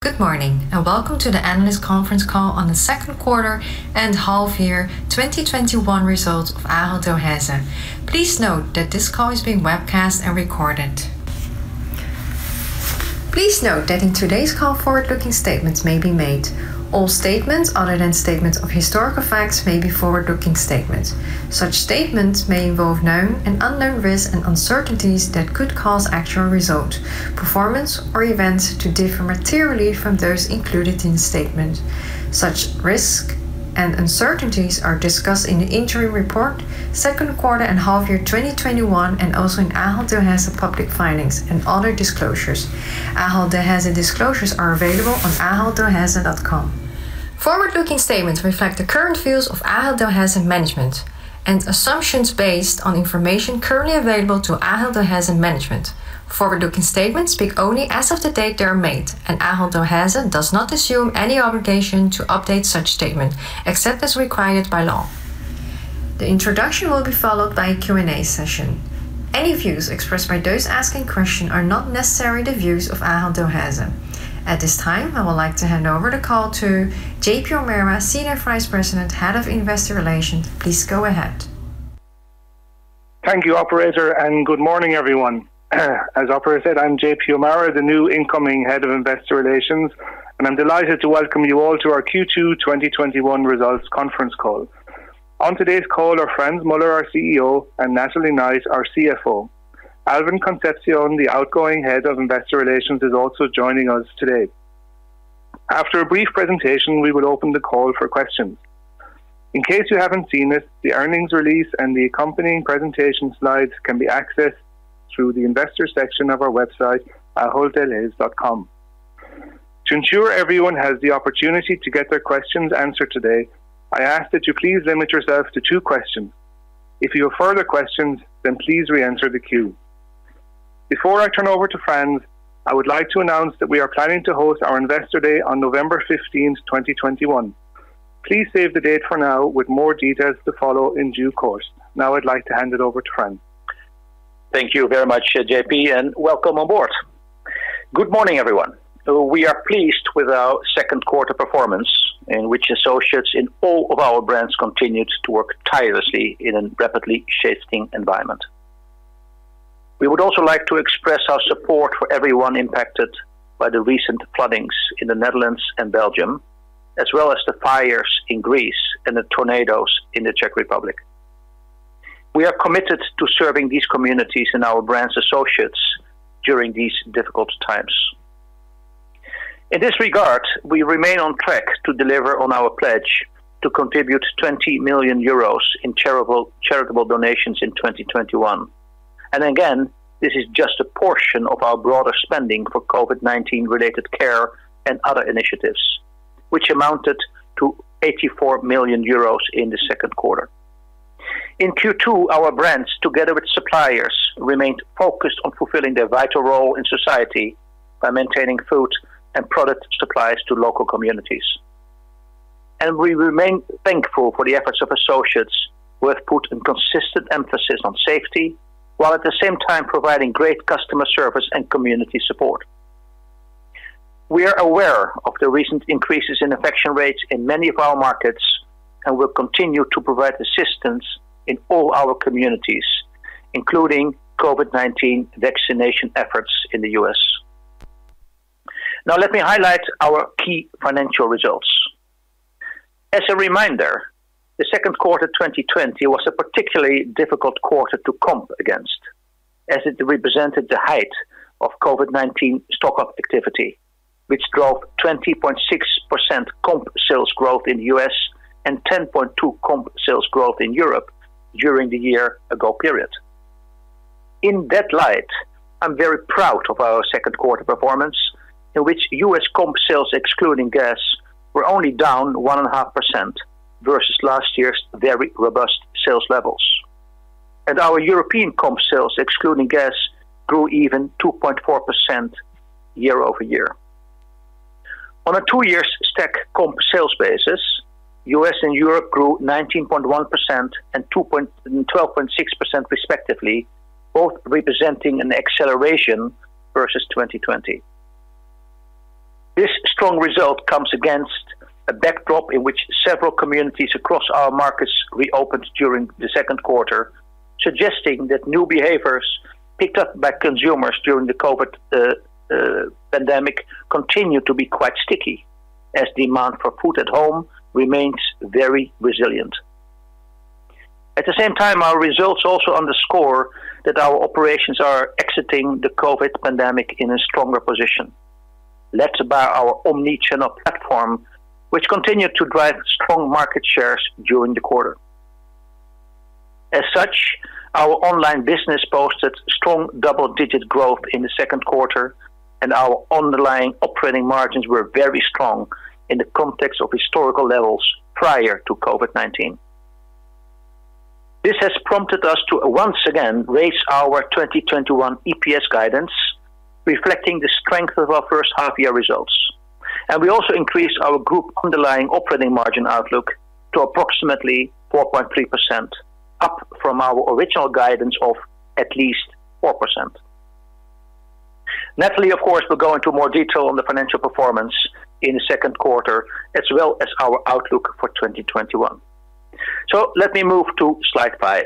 Good morning. Welcome to the analyst conference call on the second quarter and half year 2021 results of Ahold Delhaize. Please note that this call is being webcast and recorded. Please note that in today's call, forward-looking statements may be made. All statements other than statements of historical facts may be forward-looking statements. Such statements may involve known and unknown risks and uncertainties that could cause actual results, performance or events to differ materially from those included in the statement. Such risks and uncertainties are discussed in the interim report, second quarter and half year 2021, and also in Ahold Delhaize public filings and other disclosures. Ahold Delhaize disclosures are available on aholddelhaize.com. Forward-looking statements reflect the current views of Ahold Delhaize management and assumptions based on information currently available to Ahold Delhaize management. Forward-looking statements speak only as of the date they are made, and Ahold Delhaize does not assume any obligation to update such statement, except as required by law. The introduction will be followed by a Q&A session. Any views expressed by those asking questions are not necessarily the views of Ahold Delhaize. At this time, I would like to hand over the call to J.P. O'Meara, Senior Vice President, Head of Investor Relations. Please go ahead. Thank you, operator. Good morning, everyone. As operator said, I'm J.P. O'Meara, the new incoming Head of Investor Relations, and I'm delighted to welcome you all to our Q2 2021 results conference call. On today's call are Frans Muller, our CEO, and Natalie Knight, our CFO. Alvin Concepcion, the outgoing Head of Investor Relations, is also joining us today. After a brief presentation, we will open the call for questions. In case you haven't seen it, the earnings release and the accompanying presentation slides can be accessed through the Investor section of our website, aholddelhaize.com. To ensure everyone has the opportunity to get their questions answered today, I ask that you please limit yourselves to two questions. If you have further questions, please reenter the queue. Before I turn over to Frans, I would like to announce that we are planning to host our Investor Day on November 15th, 2021. Please save the date for now with more details to follow in due course. Now I'd like to hand it over to Frans. Thank you very much, J.P., and welcome aboard. Good morning, everyone. We are pleased with our second quarter performance, in which associates in all of our brands continued to work tirelessly in a rapidly shifting environment. We would also like to express our support for everyone impacted by the recent floodings in the Netherlands and Belgium, as well as the fires in Greece and the tornadoes in the Czech Republic. We are committed to serving these communities and our brand's associates during these difficult times. In this regard, we remain on track to deliver on our pledge to contribute 20 million euros in charitable donations in 2021. Again, this is just a portion of our broader spending for COVID-19 related care and other initiatives, which amounted to EUR 84 million in the second quarter. In Q2, our brands, together with suppliers, remained focused on fulfilling their vital role in society by maintaining food and product supplies to local communities. We remain thankful for the efforts of associates who have put a consistent emphasis on safety, while at the same time providing great customer service and community support. We are aware of the recent increases in infection rates in many of our markets and will continue to provide assistance in all our communities, including COVID-19 vaccination efforts in the U.S. Let me highlight our key financial results. As a reminder, the second quarter 2020 was a particularly difficult quarter to comp against, as it represented the height of COVID-19 stock-up activity, which drove 20.6% comp sales growth in the U.S. and 10.2% comp sales growth in Europe during the year-ago period. In that light, I'm very proud of our second quarter performance, in which U.S. comp sales, excluding gas, were only down 1.5% versus last year's very robust sales levels. Our European comp sales, excluding gas, grew even 2.4% year-over-year. On a two-year stack comp sales basis, U.S. and Europe grew 19.1% and 12.6% respectively, both representing an acceleration versus 2020. This strong result comes against a backdrop in which several communities across our markets reopened during the second quarter, suggesting that new behaviors picked up by consumers during the COVID pandemic continue to be quite sticky, as demand for food at home remains very resilient. At the same time, our results also underscore that our operations are exiting the COVID pandemic in a stronger position, led by our omnichannel platform, which continued to drive strong market shares during the quarter. As such, our online business posted strong double-digit growth in the second quarter, and our underlying operating margins were very strong in the context of historical levels prior to COVID-19. This has prompted us to once again raise our 2021 EPS guidance, reflecting the strength of our first half year results. We also increased our group underlying operating margin outlook to approximately 4.3% from our original guidance of at least 4%. Natalie, of course, will go into more detail on the financial performance in the second quarter as well as our outlook for 2021. Let me move to slide five,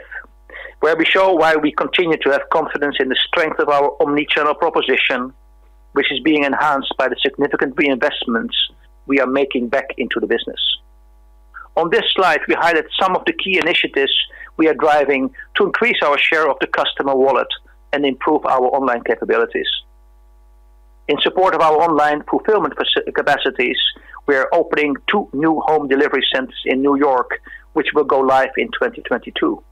where we show why we continue to have confidence in the strength of our omni-channel proposition, which is being enhanced by the significant reinvestments we are making back into the business. On this slide, we highlighted some of the key initiatives we are driving to increase our share of the customer wallet and improve our online capabilities. In support of our online fulfillment capacities, we are opening two new home delivery centers in New York, which will go live in 2022.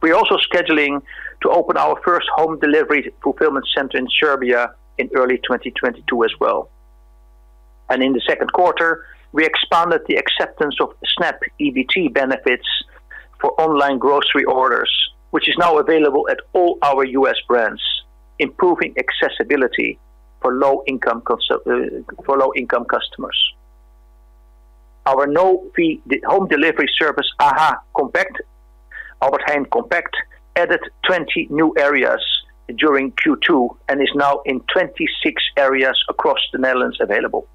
We're also scheduling to open our first home delivery fulfillment center in Serbia in early 2022 as well. In the second quarter, we expanded the acceptance of SNAP EBT benefits for online grocery orders, which is now available at all our U.S. brands, improving accessibility for low-income customers. Our no-fee home delivery service, AH Compact, Albert Heijn Compact, added 20 new areas during Q2 and is now in 26 areas across the Netherlands available.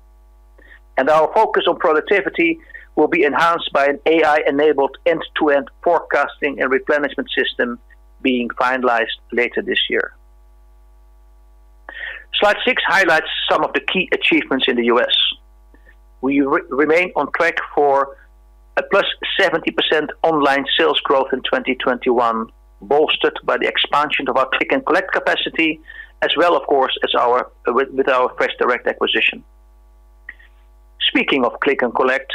Our focus on productivity will be enhanced by an AI-enabled end-to-end forecasting and replenishment system being finalized later this year. Slide six highlights some of the key achievements in the U.S. We remain on track for a +70% online sales growth in 2021, bolstered by the expansion of our Click & Collect capacity as well, of course, with our FreshDirect acquisition. Speaking of Click & Collect,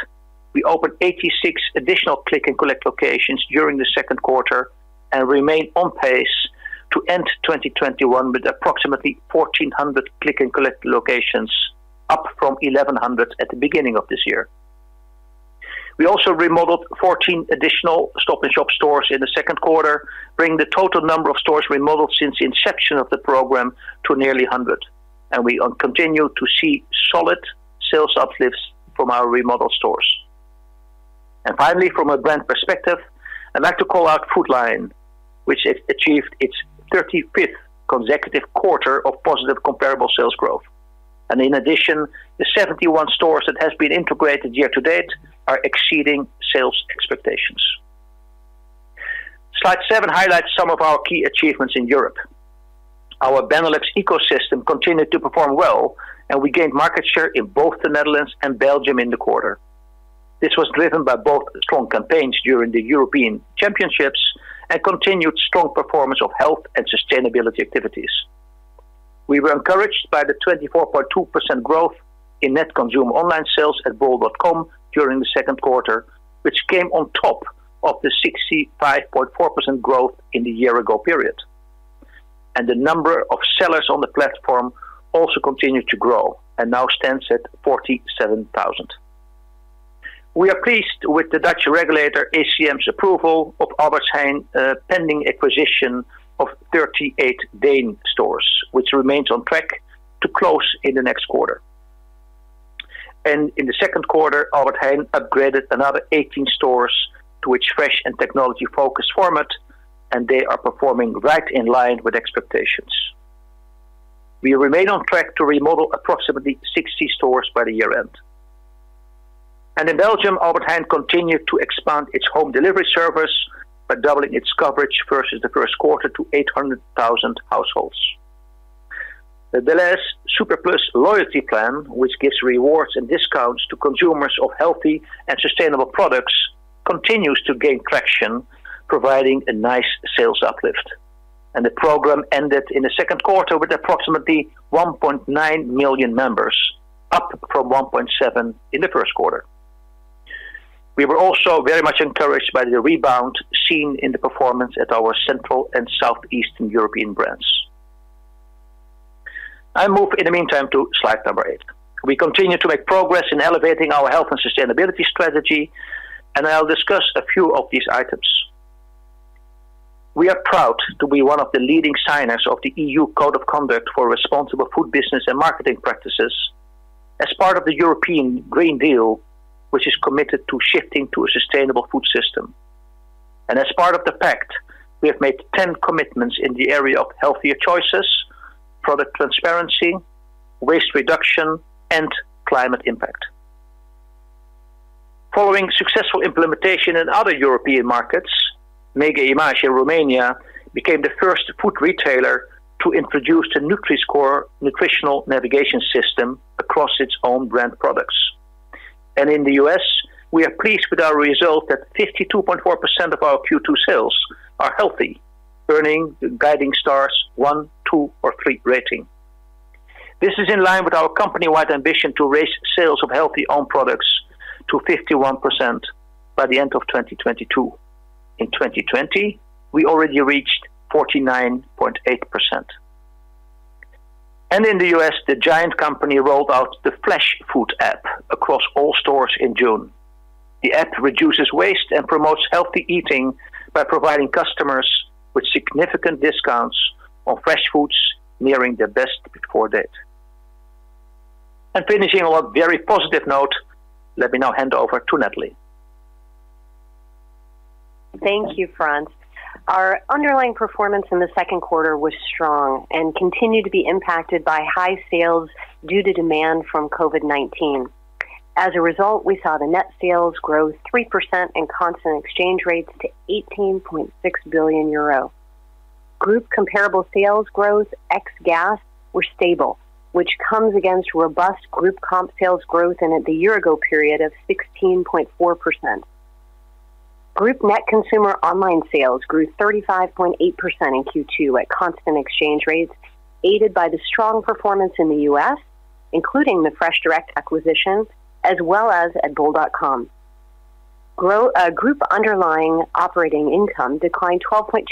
we opened 86 additional Click & Collect locations during the second quarter and remain on pace to end 2021 with approximately 1,400 Click & Collect locations, up from 1,100 at the beginning of this year. We also remodeled 14 additional Stop & Shop stores in the second quarter, bringing the total number of stores remodeled since the inception of the program to nearly 100. We continue to see solid sales uplifts from our remodeled stores. Finally, from a brand perspective, I'd like to call out Food Lion, which has achieved its 35th consecutive quarter of positive comparable sales growth. In addition, the 71 stores that has been integrated year-to-date are exceeding sales expectations. Slide seven highlights some of our key achievements in Europe. Our Benelux ecosystem continued to perform well, and we gained market share in both the Netherlands and Belgium in the quarter. This was driven by both strong campaigns during the European Championships and continued strong performance of health and sustainability activities. We were encouraged by the 24.2% growth in net consumer online sales at bol.com during the second quarter, which came on top of the 65.4% growth in the year-ago period. The number of sellers on the platform also continued to grow and now stands at 47,000. We are pleased with the Dutch regulator ACM's approval of Albert Heijn pending acquisition of 38 DEEN stores, which remains on track to close in the next quarter. In the second quarter, Albert Heijn upgraded another 18 stores to its fresh and technology-focused format, and they are performing right in line with expectations. We remain on track to remodel approximately 60 stores by the year-end. In Belgium, Albert Heijn continued to expand its home delivery service by doubling its coverage versus the first quarter to 800,000 households. The Delhaize SuperPlus loyalty plan, which gives rewards and discounts to consumers of healthy and sustainable products, continues to gain traction, providing a nice sales uplift. The program ended in the second quarter with approximately 1.9 million members, up from 1.7 million in the first quarter. We were also very much encouraged by the rebound seen in the performance at our Central and Southeastern European brands. I move in the meantime to slide number eight. We continue to make progress in elevating our health and sustainability strategy. I'll discuss a few of these items. We are proud to be one of the leading signers of the EU Code of Conduct on Responsible Food Business and Marketing Practices as part of the European Green Deal, which is committed to shifting to a sustainable food system. As part of the pact, we have made 10 commitments in the area of healthier choices, product transparency, waste reduction, and climate impact. Following successful implementation in other European markets, Mega Image in Romania became the first food retailer to introduce the Nutri-Score nutritional navigation system across its own brand products. In the U.S., we are pleased with our result that 52.4% of our Q2 sales are healthy, earning Guiding Stars 1, 2, or 3 rating. This is in line with our company-wide ambition to raise sales of healthy own products to 51% by the end of 2022. In 2020, we already reached 49.8%. In the U.S., The GIANT Company rolled out the Flashfood app across all stores in June. The app reduces waste and promotes healthy eating by providing customers with significant discounts on fresh foods nearing their best before date. Finishing on a very positive note, let me now hand over to Natalie. Thank you, Frans. Our underlying performance in the second quarter was strong and continued to be impacted by high sales due to demand from COVID-19. We saw the net sales grow 3% in constant exchange rates to 18.6 billion euro. Group comparable sales growth ex-gas were stable, which comes against robust group comp sales growth in the year ago period of 16.4%. Group net consumer online sales grew 35.8% in Q2 at constant exchange rates, aided by the strong performance in the U.S., including the FreshDirect acquisition, as well as at bol.com. Group underlying operating income declined 12.2%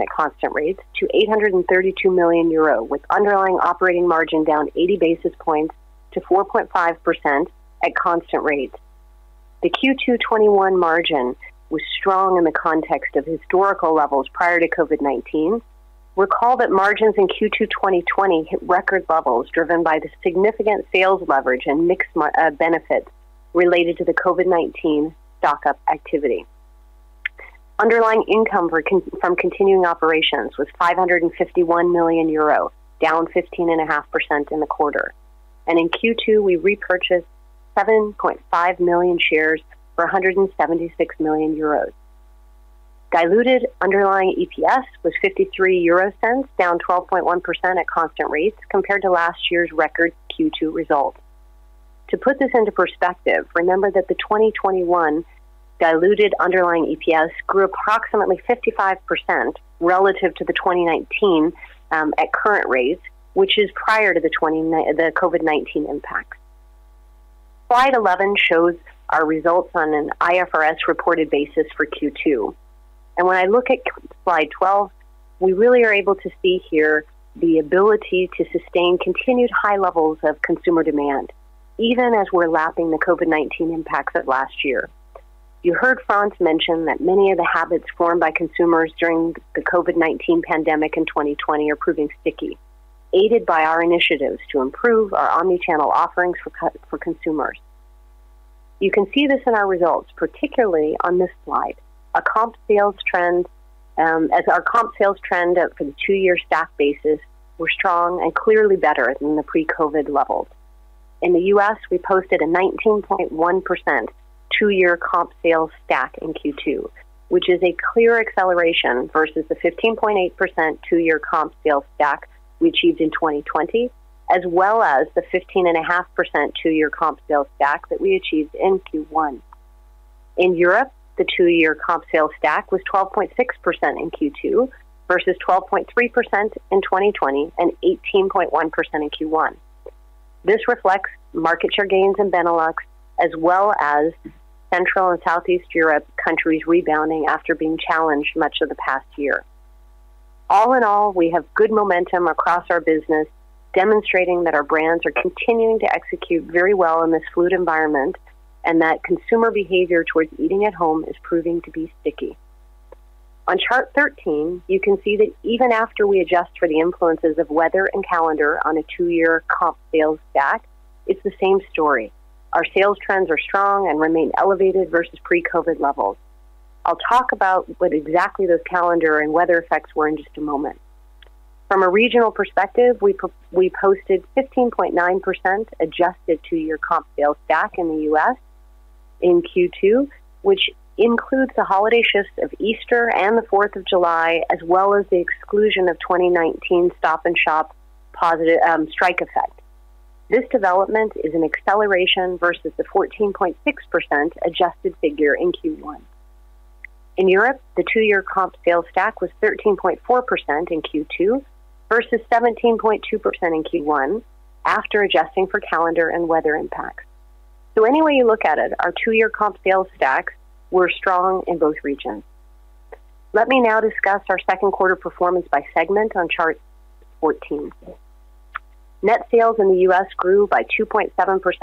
at constant rates to 832 million euro, with underlying operating margin down 80 basis points to 4.5% at constant rates. The Q2 2021 margin was strong in the context of historical levels prior to COVID-19. Recall that margins in Q2 2020 hit record levels, driven by the significant sales leverage and mixed benefits related to the COVID-19 stock-up activity. Underlying income from continuing operations was 551 million euro, down 15.5% in the quarter. In Q2, we repurchased 7.5 million shares for 176 million euros. Diluted underlying EPS was 0.53, down 12.1% at constant rates compared to last year's record Q2 result. To put this into perspective, remember that the 2021 diluted underlying EPS grew approximately 55% relative to the 2019, at current rates, which is prior to the COVID-19 impacts. Slide 11 shows our results on an IFRS reported basis for Q2. When I look at slide 12, we really are able to see here the ability to sustain continued high levels of consumer demand, even as we're lapping the COVID-19 impacts of last year. You heard Frans mention that many of the habits formed by consumers during the COVID-19 pandemic in 2020 are proving sticky, aided by our initiatives to improve our omnichannel offerings for consumers. You can see this in our results, particularly on this slide. Our comp sales trend for the two-year stack basis were strong and clearly better than the pre-COVID levels. In the U.S., we posted a 19.1% two-year comp sales stack in Q2, which is a clear acceleration versus the 15.8% two-year comp sales stack we achieved in 2020, as well as the 15.5% two-year comp sales stack that we achieved in Q1. In Europe, the two-year comp sales stack was 12.6% in Q2 versus 12.3% in 2020 and 18.1% in Q1. This reflects market share gains in Benelux as well as Central and Southeast Europe countries rebounding after being challenged much of the past year. All in all, we have good momentum across our business, demonstrating that our brands are continuing to execute very well in this fluid environment and that consumer behavior towards eating at home is proving to be sticky. On chart 13, you can see that even after we adjust for the influences of weather and calendar on a two-year comp sales stack, it's the same story. Our sales trends are strong and remain elevated versus pre-COVID levels. I'll talk about what exactly those calendar and weather effects were in just a moment. From a regional perspective, we posted 15.9% adjusted two-year comp sales stack in the U.S. in Q2, which includes the holiday shifts of Easter and the 4th of July, as well as the exclusion of 2019 Stop & Shop strike effect. This development is an acceleration versus the 14.6% adjusted figure in Q1. In Europe, the two-year comp sales stack was 13.4% in Q2 versus 17.2% in Q1 after adjusting for calendar and weather impacts. Any way you look at it, our two-year comp sales stacks were strong in both regions. Let me now discuss our second quarter performance by segment on chart 14. Net sales in the U.S. grew by 2.7%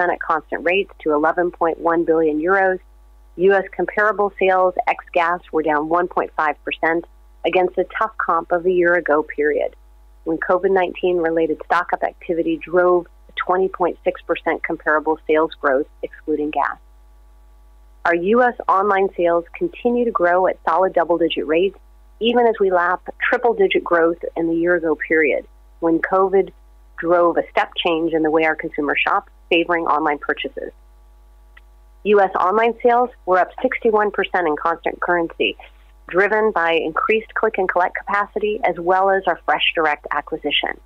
at constant rates to 11.1 billion euros. U.S. comparable sales ex gas were down 1.5% against a tough comp of the year ago period, when COVID-19 related stock-up activity drove a 20.6% comparable sales growth excluding gas. Our U.S. online sales continue to grow at solid double-digit rates, even as we lap triple-digit growth in the year ago period when COVID drove a step change in the way our consumer shops, favoring online purchases. U.S. online sales were up 61% in constant currency, driven by increased Click & Collect capacity as well as our FreshDirect acquisition.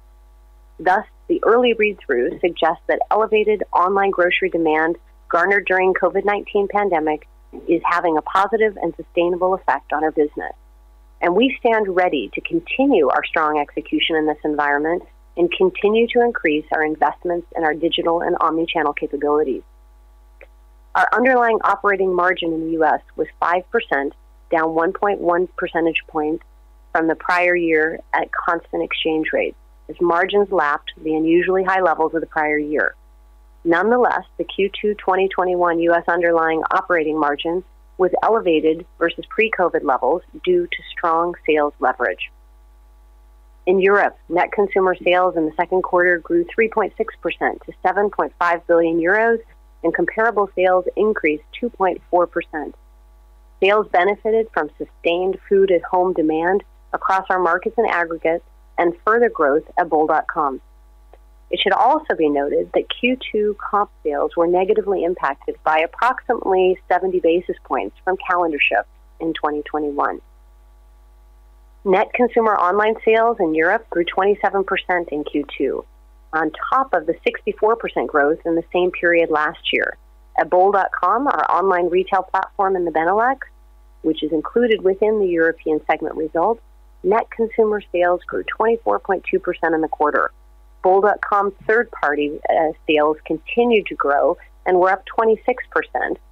The early read-through suggests that elevated online grocery demand garnered during COVID-19 pandemic is having a positive and sustainable effect on our business. We stand ready to continue our strong execution in this environment and continue to increase our investments in our digital and omnichannel capabilities. Our underlying operating margin in the U.S. was 5%, down 1.1 percentage points from the prior year at constant exchange rates, as margins lapped the unusually high levels of the prior year. Nonetheless, the Q2 2021 U.S. underlying operating margin was elevated versus pre-COVID levels due to strong sales leverage. In Europe, net consumer sales in the second quarter grew 3.6% to 7.5 billion euros, and comparable sales increased 2.4%. Sales benefited from sustained food-at-home demand across our markets in aggregate and further growth at bol.com. It should also be noted that Q2 comp sales were negatively impacted by approximately 70 basis points from calendar shift in 2021. Net consumer online sales in Europe grew 27% in Q2, on top of the 64% growth in the same period last year. At bol.com, our online retail platform in the Benelux, which is included within the European segment results, net consumer sales grew 24.2% in the quarter. Bol.com third-party sales continued to grow and were up 26%,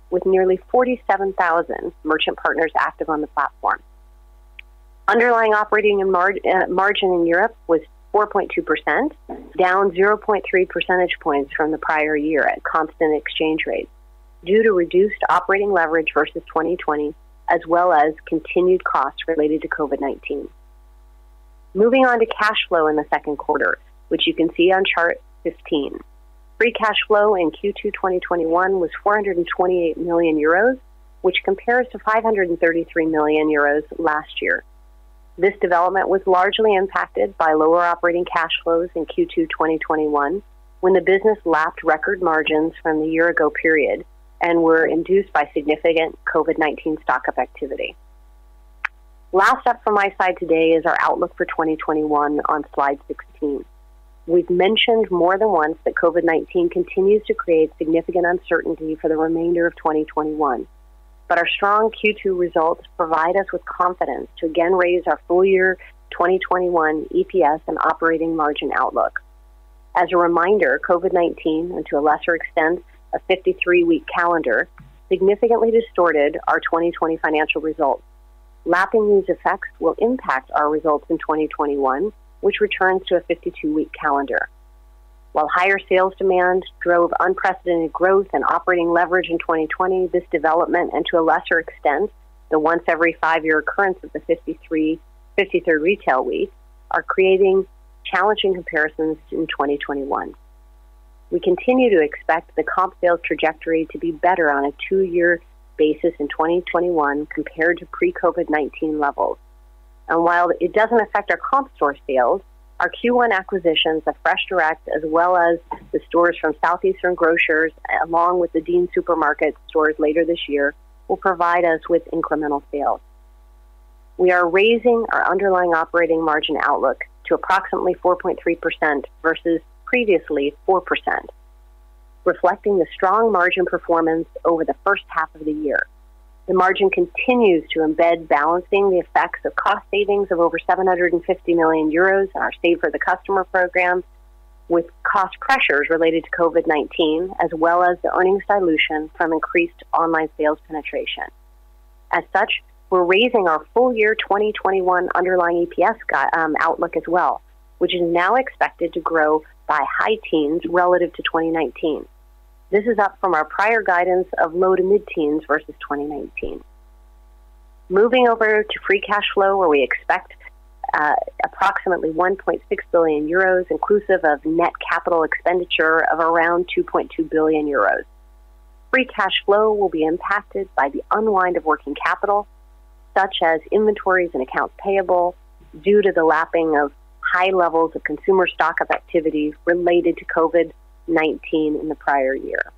with nearly 47,000 merchant partners active on the platform. Underlying operating margin in Europe was 4.2%, down 0.3 percentage points from the prior year at constant exchange rates due to reduced operating leverage versus 2020, as well as continued costs related to COVID-19. Moving on to cash flow in the second quarter, which you can see on Chart 15. Free cash flow in Q2 2021 was 428 million euros, which compares to 533 million euros last year. This development was largely impacted by lower operating cash flows in Q2 2021, when the business lapped record margins from the year ago period and were induced by significant COVID-19 stock-up activity. Last up from my side today is our outlook for 2021 on slide 16. Our strong Q2 results provide us with confidence to again raise our full year 2021 EPS and operating margin outlook. As a reminder, COVID-19, and to a lesser extent, a 53-week calendar, significantly distorted our 2020 financial results. Lapping these effects will impact our results in 2021, which returns to a 52-week calendar. While higher sales demand drove unprecedented growth and operating leverage in 2020, this development, and to a lesser extent, the once every five-year occurrence of the 53rd retail week, are creating challenging comparisons in 2021. We continue to expect the comp sales trajectory to be better on a two-year basis in 2021 compared to pre-COVID-19 levels. While it doesn't affect our comp store sales, our Q1 acquisitions of FreshDirect, as well as the stores from Southeastern Grocers, along with the DEEN Supermarket stores later this year, will provide us with incremental sales. We are raising our underlying operating margin outlook to approximately 4.3% versus previously 4%, reflecting the strong margin performance over the first half of the year. The margin continues to embed balancing the effects of cost savings of over 750 million euros in our Save for Our Customers program with cost pressures related to COVID-19, as well as the earnings dilution from increased online sales penetration. As such, we're raising our full year 2021 underlying EPS outlook as well, which is now expected to grow by high teens relative to 2019. This is up from our prior guidance of low to mid-teens versus 2019. Moving over to free cash flow, where we expect approximately 1.6 billion euros, inclusive of net capital expenditure of around 2.2 billion euros. Free cash flow will be impacted by the unwind of working capital, such as inventories and accounts payable, due to the lapping of high levels of consumer stock-up activities related to COVID-19 in the prior year.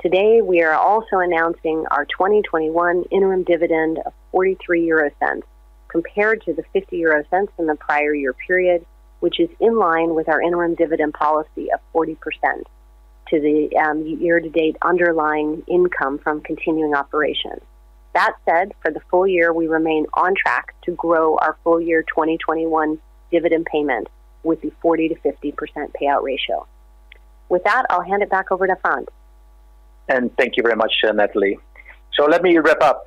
Today, we are also announcing our 2021 interim dividend of 0.43, compared to the 0.50 in the prior year period, which is in line with our interim dividend policy of 40% to the year-to-date underlying income from continuing operations. That said, for the full year, we remain on track to grow our full year 2021 dividend payment with the 40%-50% payout ratio. With that, I'll hand it back over to Frans. Thank you very much, Natalie. Let me wrap up.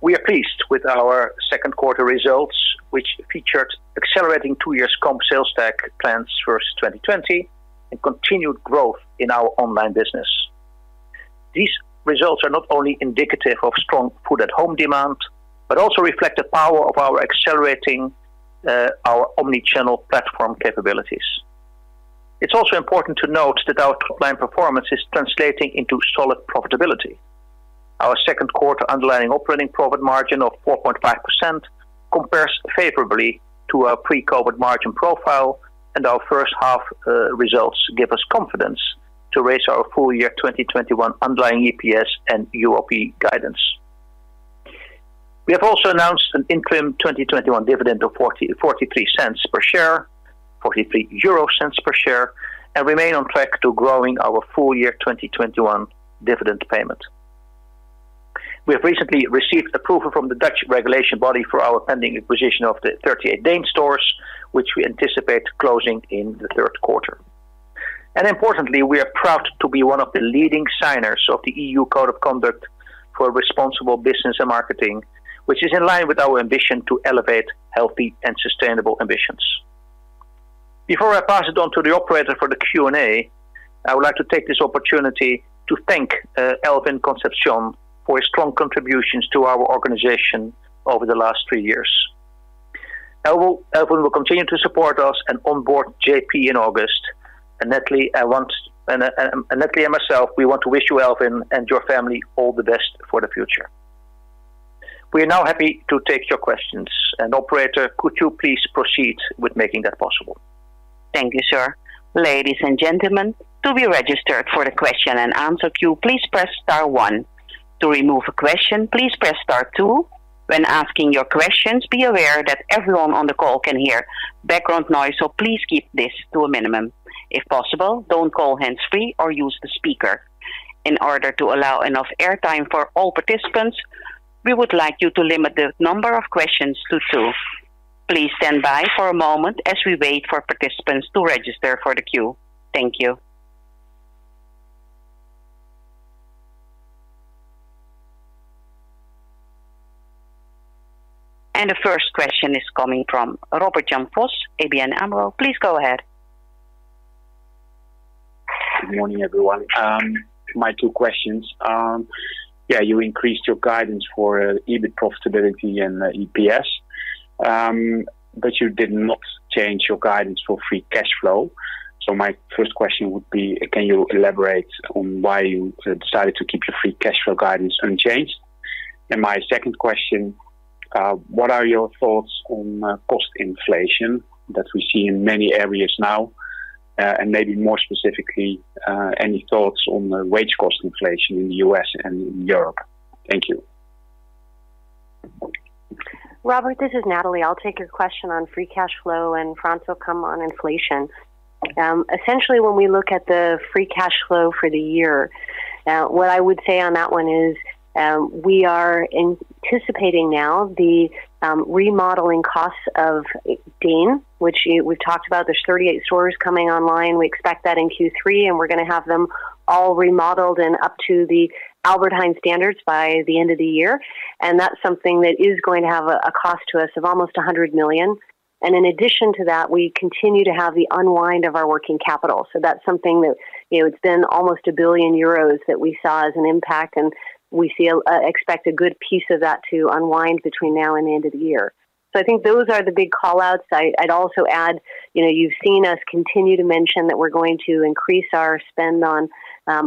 We are pleased with our second quarter results, which featured accelerating two years' comp sales stack plans versus 2020 and continued growth in our online business. These results are not only indicative of strong food-at-home demand, but also reflect the power of our accelerating our omnichannel platform capabilities. It's also important to note that our top-line performance is translating into solid profitability. Our second quarter underlying operating profit margin of 4.5% compares favorably to our pre-COVID margin profile, and our first half results give us confidence to raise our full year 2021 underlying EPS and UOP guidance. We have also announced an interim 2021 dividend of 0.43 per share, and remain on track to growing our full year 2021 dividend payment. We have recently received approval from the Dutch regulation body for our pending acquisition of the 38 DEEN stores, which we anticipate closing in the third quarter. Importantly, we are proud to be one of the leading signers of the EU Code of Conduct on Responsible Food Business and Marketing Practices, which is in line with our ambition to elevate healthy and sustainable ambitions. Before I pass it on to the operator for the Q&A, I would like to take this opportunity to thank Alvin Concepcion for his strong contributions to our organization over the last three years. Alvin will continue to support us and onboard J.P. in August. Natalie and myself, we want to wish you, Alvin, and your family all the best for the future. We are now happy to take your questions. Operator, could you please proceed with making that possible? Thank you, sir. Ladies and gentlemen, to be registered for the question-and-answer queue, please press star one. To remove a question, please press star two. When asking your questions, be aware that everyone on the call can hear background noise, so please keep this to a minimum. If possible, don't call hands-free or use the speaker. In order to allow enough air time for all participants, we would like you to limit the number of questions to two. Please stand by for a moment as we wait for participants to register for the queue. Thank you. The first question is coming from Robert-Jan Vos, ABN AMRO. Please go ahead. Good morning, everyone. My two questions. You increased your guidance for EBIT profitability and EPS, but you did not change your guidance for free cash flow. My first question would be, can you elaborate on why you decided to keep your free cash flow guidance unchanged? My second question, what are your thoughts on cost inflation that we see in many areas now? Maybe more specifically, any thoughts on wage cost inflation in the U.S. and in Europe? Thank you. Robert, this is Natalie. I'll take your question on free cash flow, and Frans will come on inflation. Essentially, when we look at the free cash flow for the year, what I would say on that one is, we are anticipating now the remodeling costs of DEEN, which we've talked about. There's 38 stores coming online. We expect that in Q3, and we're going to have them all remodeled and up to the Albert Heijn standards by the end of the year. That's something that is going to have a cost to us of almost 100 million. In addition to that, we continue to have the unwind of our working capital. That's something that, it's been almost 1 billion euros that we saw as an impact, and we expect a good piece of that to unwind between now and the end of the year. I think those are the big call-outs. I'd also add, you've seen us continue to mention that we're going to increase our spend on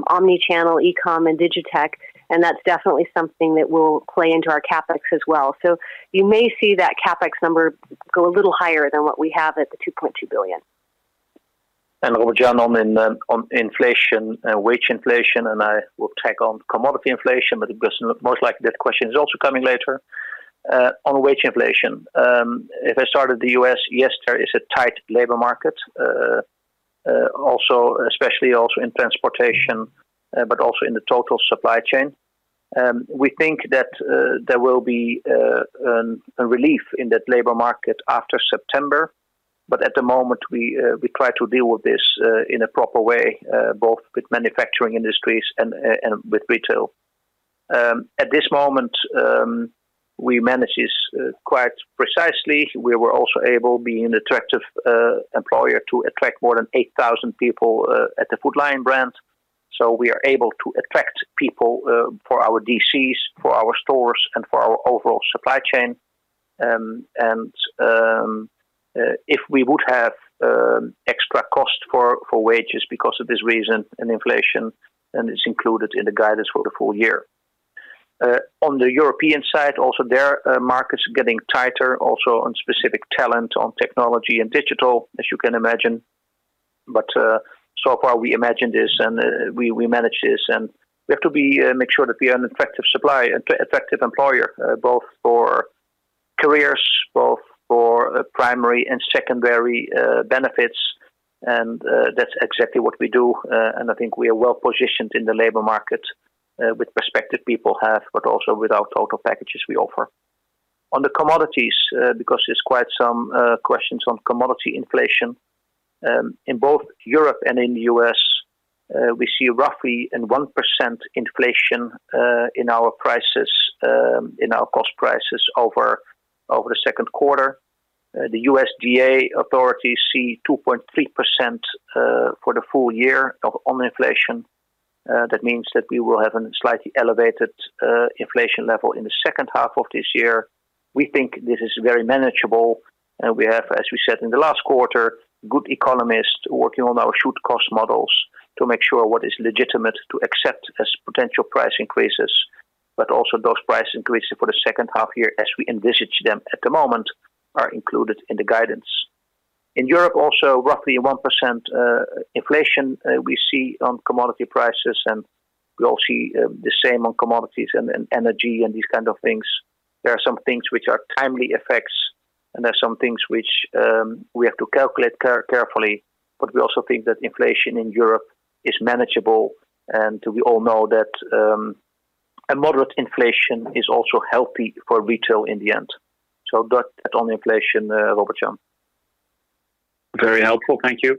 omnichannel, e-com, and digitech, and that's definitely something that will play into our CapEx as well. You may see that CapEx number go a little higher than what we have at the 2.2 billion. Robert-Jan, on inflation, wage inflation, and I will take on commodity inflation, because most likely that question is also coming later. On wage inflation, if I started the U.S., yes, there is a tight labor market, especially also in transportation, but also in the total supply chain. We think that there will be a relief in that labor market after September. At the moment, we try to deal with this in a proper way, both with manufacturing industries and with retail. At this moment, we manage this quite precisely. We were also able, being an attractive employer, to attract more than 8,000 people at the Food Lion brand. We are able to attract people for our DCs, for our stores, and for our overall supply chain. If we would have extra cost for wages because of this reason and inflation, then it's included in the guidance for the full year. On the European side, also their market is getting tighter, also on specific talent on technology and digital, as you can imagine. So far, we imagine this and we manage this, and we have to make sure that we are an effective employer, both for careers, both for primary and secondary benefits. That's exactly what we do, and I think we are well-positioned in the labor market with respect to people we have, but also with our total packages we offer. On the commodities, because there's quite some questions on commodity inflation. In both Europe and in the U.S., we see roughly a 1% inflation in our cost prices over the second quarter. The USDA authorities see 2.3% for the full year on inflation. We will have a slightly elevated inflation level in the second half of this year. We think this is very manageable. We have, as we said in the last quarter, good economists working on our should-cost models to make sure what is legitimate to accept as potential price increases. Also those price increases for the second half year, as we envisage them at the moment, are included in the guidance. In Europe, also, roughly 1% inflation we see on commodity prices. We all see the same on commodities and energy and these kind of things. There are some things which are timely effects, and there are some things which we have to calculate carefully. We also think that inflation in Europe is manageable. We all know that a moderate inflation is also healthy for retail in the end. That on inflation, Robert-Jan. Very helpful. Thank you.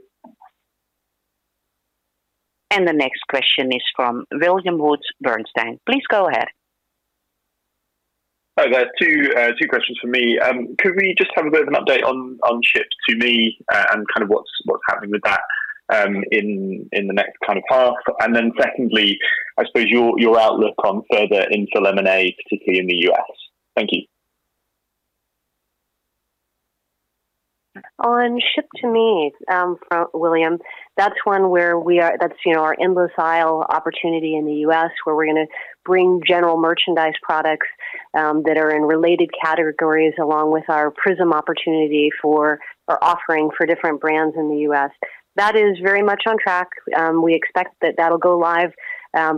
The next question is from William Woods, Bernstein. Please go ahead. Hi there. Two questions from me. Could we just have a bit of an update on Ship2Me and kind of what's happening with that in the next kind of half? Secondly, I suppose your outlook on further infill M&A, particularly in the U.S. Thank you. On Ship2Me, William, that's one where that's our endless aisle opportunity in the U.S. where we're going to bring general merchandise products that are in related categories, along with our PRISM opportunity for offering for different brands in the U.S. That is very much on track. We expect that that'll go live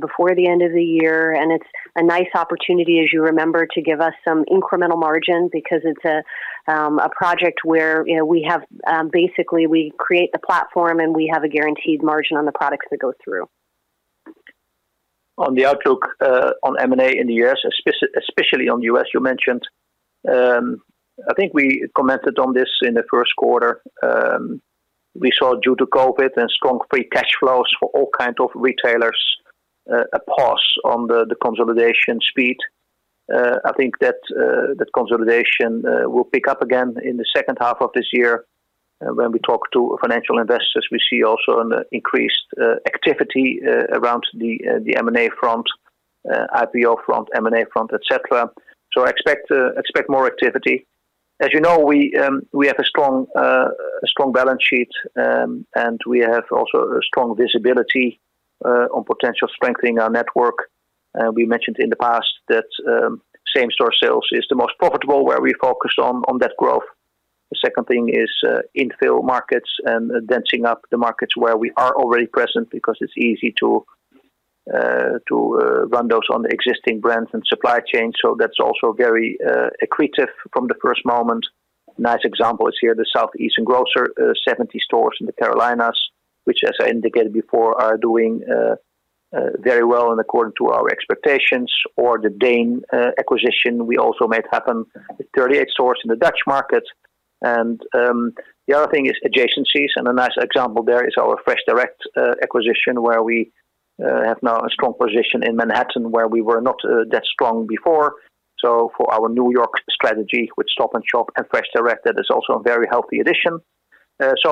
before the end of the year, and it's a nice opportunity, as you remember, to give us some incremental margin because it's a project where basically we create the platform, and we have a guaranteed margin on the products that go through. On the outlook on M&A in the U.S., especially on U.S. you mentioned, I think we commented on this in the first quarter. We saw due to COVID and strong free cash flows for all kinds of retailers, a pause on the consolidation speed. I think that consolidation will pick up again in the second half of this year. When we talk to financial investors, we see also an increased activity around the M&A front, IPO front, M&A front, et cetera. Expect more activity. As you know, we have a strong balance sheet, and we have also a strong visibility on potential strengthening our network. We mentioned in the past that same-store sales is the most profitable, where we focused on that growth. The second thing is infill markets and densing up the markets where we are already present because it's easy to run those on the existing brands and supply chain. That's also very accretive from the first moment. Nice example is here, the Southeastern Grocers, 70 stores in the Carolinas, which, as I indicated before, are doing very well and according to our expectations. The DEEN acquisition, we also made happen with 38 stores in the Dutch market. The other thing is adjacencies, and a nice example there is our FreshDirect acquisition, where we have now a strong position in Manhattan, where we were not that strong before. For our New York strategy with Stop & Shop and FreshDirect, that is also a very healthy addition.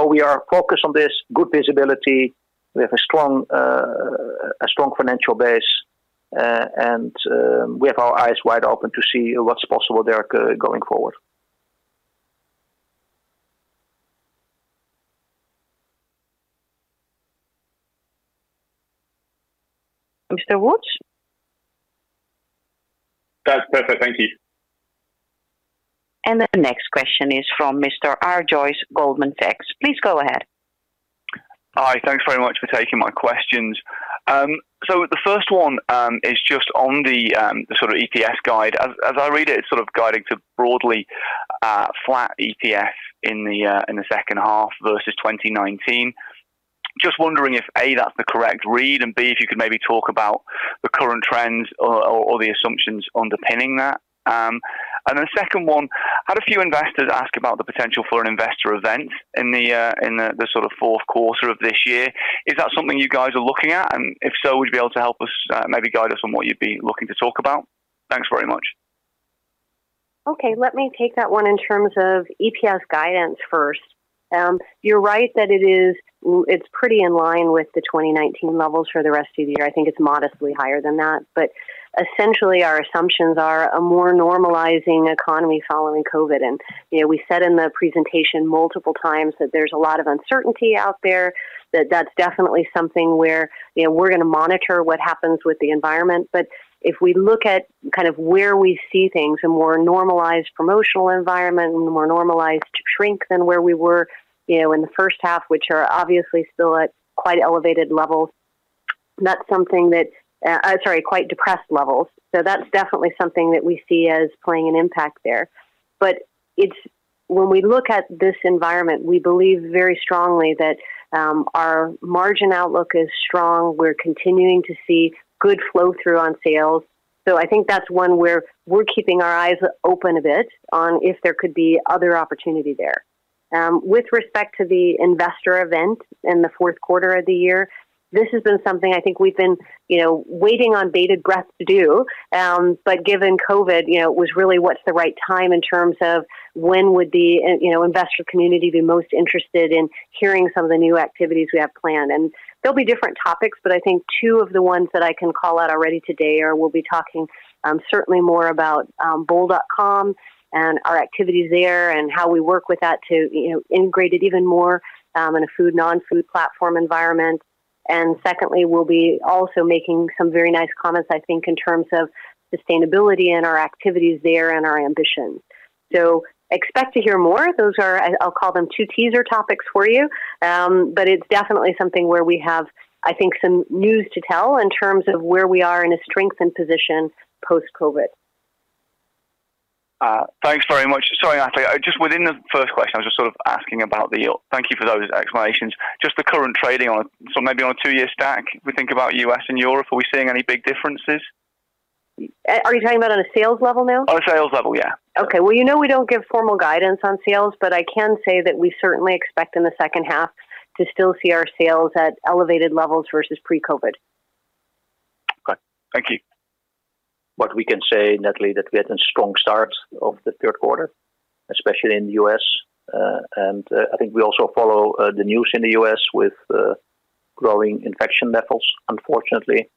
We are focused on this good visibility. We have a strong financial base, and we have our eyes wide open to see what's possible there going forward. Mr. Woods? That's perfect. Thank you. The next question is from Mr. R. Joyce, Goldman Sachs. Please go ahead. Hi. Thanks very much for taking my questions. The first one is just on the sort of EPS guide. As I read it's sort of guiding to broadly flat EPS in the second half versus 2019. Just wondering if, A, that's the correct read, and B, if you could maybe talk about the current trends or the assumptions underpinning that. The second one, had a few investors ask about the potential for an investor event in the sort of fourth quarter of this year. Is that something you guys are looking at? If so, would you be able to help us, maybe guide us on what you'd be looking to talk about? Thanks very much. Okay, let me take that one in terms of EPS guidance first. You're right that it's pretty in line with the 2019 levels for the rest of the year. I think it's modestly higher than that. Essentially, our assumptions are a more normalizing economy following COVID. We said in the presentation multiple times that there's a lot of uncertainty out there, that that's definitely something where we're going to monitor what happens with the environment. If we look at kind of where we see things, a more normalized promotional environment and a more normalized shrink than where we were in the first half, which are obviously still at quite elevated levels, sorry, quite depressed levels. That's definitely something that we see as playing an impact there. When we look at this environment, we believe very strongly that our margin outlook is strong. We're continuing to see good flow-through on sales. I think that's one where we're keeping our eyes open a bit on if there could be other opportunity there. With respect to the Investor event in the fourth quarter of the year, this has been something I think we've been waiting on bated breath to do. Given COVID, it was really what's the right time in terms of when would the investor community be most interested in hearing some of the new activities we have planned. There'll be different topics, but I think two of the ones that I can call out already today are we'll be talking certainly more about bol.com and our activities there and how we work with that to integrate it even more in a food/non-food platform environment. Secondly, we'll be also making some very nice comments, I think, in terms of sustainability and our activities there and our ambition. Expect to hear more. Those are, I'll call them two teaser topics for you. It's definitely something where we have, I think, some news to tell in terms of where we are in a strengthened position post-COVID. Thanks very much. Sorry, Natalie, just within the first question, I was just sort of asking about the yield. Thank you for those explanations. Just the current trading on, maybe on a two-year stack, we think about U.S. and Europe, are we seeing any big differences? Are you talking about on a sales level now? On a sales level, yeah. Okay. Well, you know we don't give formal guidance on sales, but I can say that we certainly expect in the second half to still see our sales at elevated levels versus pre-COVID. Okay. Thank you. What we can say, Natalie, that we had a strong start of the third quarter, especially in the U.S. I think we also follow the news in the U.S. with growing infection levels, unfortunately.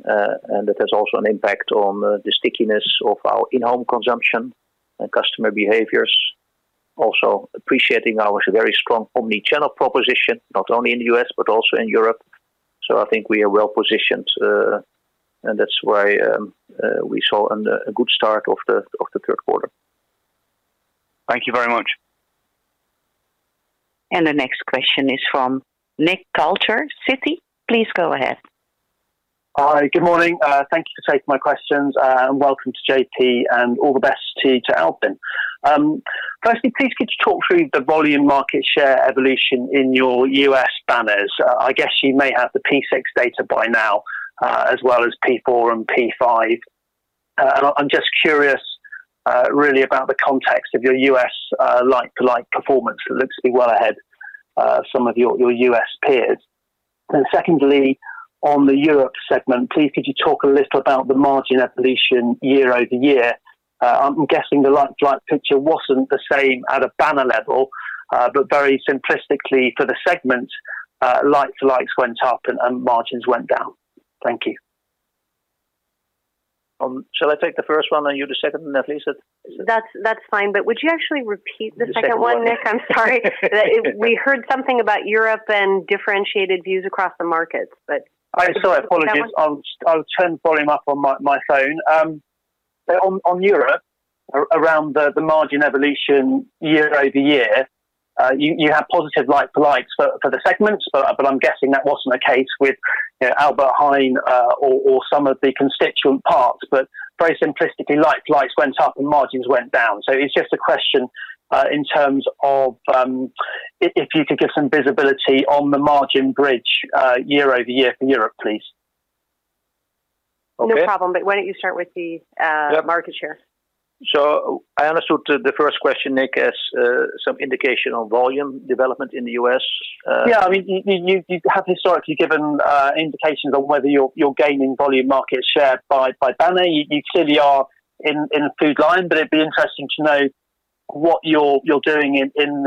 It has also an impact on the stickiness of our in-home consumption and customer behaviors. Also appreciating our very strong omnichannel proposition, not only in the U.S., but also in Europe. I think we are well-positioned, and that's why we saw a good start of the third quarter. Thank you very much. The next question is from Nick Coulter, Citi. Please go ahead. Hi. Good morning. Thank you for taking my questions, and welcome to J.P., and all the best to Alvin. Please could you talk through the volume market share evolution in your U.S. banners? I guess you may have the P6 data by now, as well as P4 and P5. I'm just curious really about the context of your U.S. like-to-like performance. It looks to be well ahead some of your U.S. peers. Secondly, on the Europe segment, please could you talk a little about the margin evolution year-over-year? I'm guessing the like-to-like picture wasn't the same at a banner level, but very simplistically for the segment, likes-to-likes went up and margins went down. Thank you. Shall I take the first one and you the second then, Natalie? That's fine. Would you actually repeat the second one, Nick? I'm sorry. We heard something about Europe and differentiated views across the markets. Sorry. Apologies. I'll turn the volume up on my phone. On Europe, around the margin evolution year-over-year, you have positive like-to-likes for the segments, but I'm guessing that wasn't the case with Albert Heijn or some of the constituent parts. Very simplistically, like-to-likes went up and margins went down. It's just a question in terms of if you could give some visibility on the margin bridge, year-over-year for Europe, please. No problem. Why don't you start with the market share? I understood the first question, Nick, as some indication on volume development in the U.S. Yeah, you have historically given indications on whether you're gaining volume market share by banner. You clearly are in Food Lion, but it'd be interesting to know what you're doing in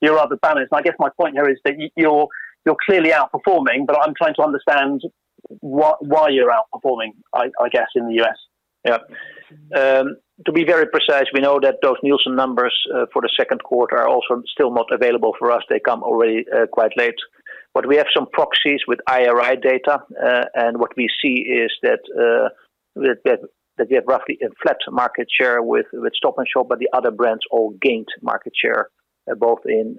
your other banners. I guess my point here is that you're clearly outperforming, but I'm trying to understand why you're outperforming, I guess, in the U.S. Yeah. To be very precise, we know that those Nielsen numbers for the second quarter are also still not available for us. They come already quite late. We have some proxies with IRI data, and what we see is that we have roughly a flat market share with Stop & Shop, but the other brands all gained market share, both in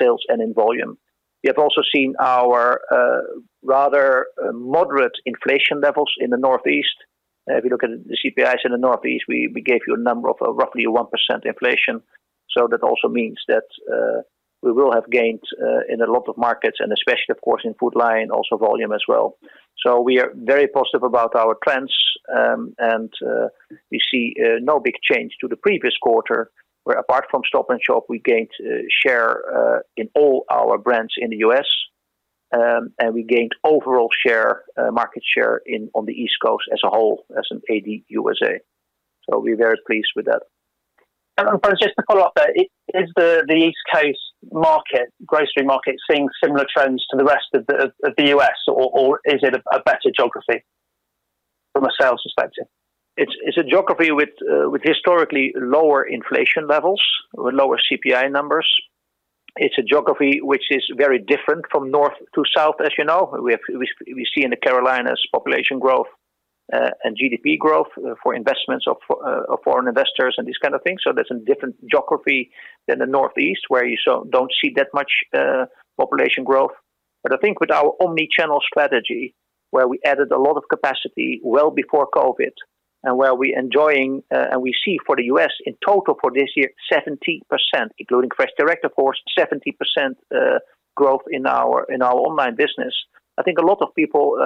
sales and in volume. We have also seen our rather moderate inflation levels in the Northeast. If you look at the CPIs in the Northeast, we gave you a number of roughly 1% inflation. That also means that we will have gained in a lot of markets, and especially of course, in Food Lion, also volume as well. We are very positive about our trends, and we see no big change to the previous quarter, where apart from Stop & Shop, we gained share in all our brands in the U.S., and we gained overall market share on the East Coast as a whole, as an AD USA. We're very pleased with that. Just to follow up there, is the East Coast grocery market seeing similar trends to the rest of the U.S., or is it a better geography from a sales perspective? It's a geography with historically lower inflation levels, with lower CPI numbers. It's a geography which is very different from north to south, as you know. We see in the Carolinas population growth and GDP growth for investments of foreign investors and these kind of things. There's a different geography than the Northeast, where you don't see that much population growth. I think with our omnichannel strategy, where we added a lot of capacity well before COVID, and where we're enjoying, and we see for the U.S. in total for this year, 70%, including FreshDirect, of course, 70% growth in our online business. I think a lot of people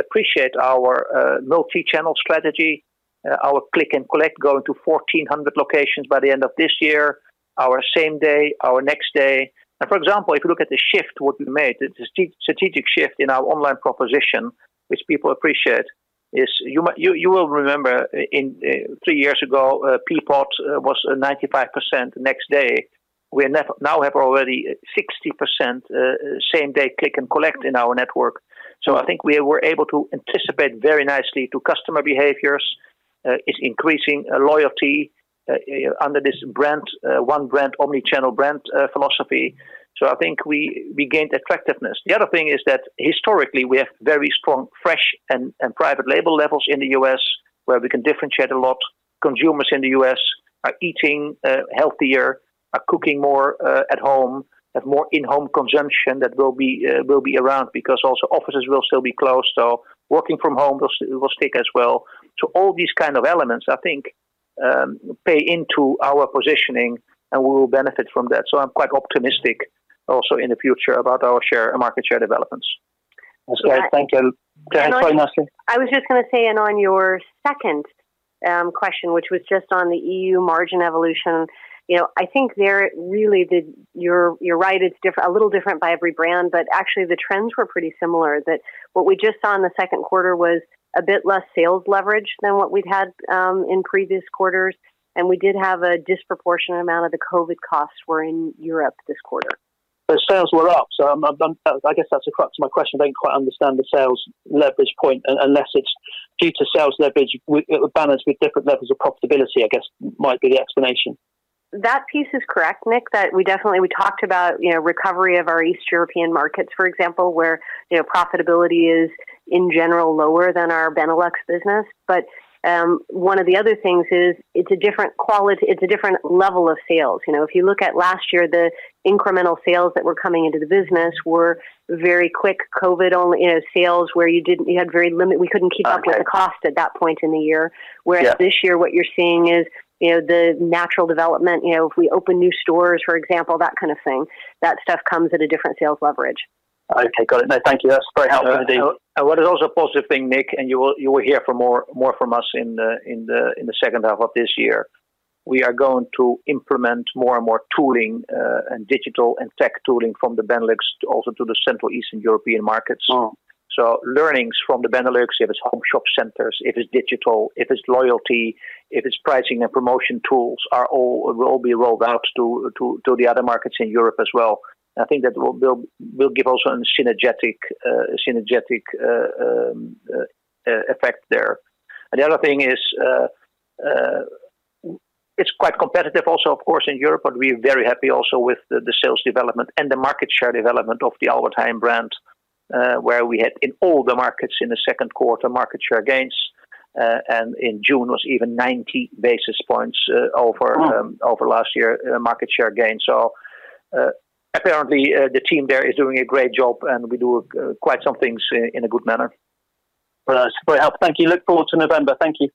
appreciate our multi-channel strategy, our click and collect going to 1,400 locations by the end of this year, our same-day, our next-day. For example, if you look at the shift, what we made, the strategic shift in our online proposition, which people appreciate, is you will remember three years ago, Peapod was 95% next-day. We now have already 60% same-day Click & Collect in our network. I think we were able to anticipate very nicely to customer behaviors. It's increasing loyalty under this one brand, omnichannel brand philosophy. I think we gained attractiveness. The other thing is that historically, we have very strong fresh and private label levels in the U.S., where we can differentiate a lot. Consumers in the U.S. are eating healthier, are cooking more at home, have more in-home consumption that will be around because also offices will still be closed. Working from home will stick as well. All these kind of elements, I think play into our positioning, and we will benefit from that. I'm quite optimistic also in the future about our market share developments. That's great. Thank you. Go ahead, sorry, Natalie. I was just going to say. On your second question, which was just on the EU margin evolution, I think there really you're right. It's a little different by every brand, but actually, the trends were pretty similar, that what we just saw in the second quarter was a bit less sales leverage than what we'd had in previous quarters. We did have a disproportionate amount of the COVID costs were in Europe this quarter. Sales were up, so I guess that's the crux of my question. I don't quite understand the sales leverage point unless it's due to sales leverage balanced with different levels of profitability, I guess might be the explanation. That piece is correct, Nick, that we definitely talked about recovery of our East European markets, for example, where profitability is, in general, lower than our Benelux business. One of the other things is it's a different level of sales. If you look at last year, the incremental sales that were coming into the business were very quick COVID sales, where we couldn't keep up with the cost at that point in the year. Yeah. Whereas this year, what you're seeing is the natural development. If we open new stores, for example, that kind of thing, that stuff comes at a different sales leverage. Okay, got it. No, thank you. That's very helpful indeed. What is also a positive thing, Nick, and you will hear more from us in the second half of this year. We are going to implement more and more tooling, and digital and tech tooling from the Benelux also to the Central Eastern European markets. Learnings from the Benelux, if it's home shop centers, if it's digital, if it's loyalty, if it's pricing and promotion tools, will all be rolled out to the other markets in Europe as well. I think that will give also a synergetic effect there. The other thing is it's quite competitive also, of course, in Europe, but we are very happy also with the sales development and the market share development of the Albert Heijn brand, where we had, in all the markets in the second quarter, market share gains, and in June was even 90 basis points. Wow last year market share gain. Apparently, the team there is doing a great job, and we do quite some things in a good manner. Well, that is very helpful. Thank you. Look forward to November. Thank you.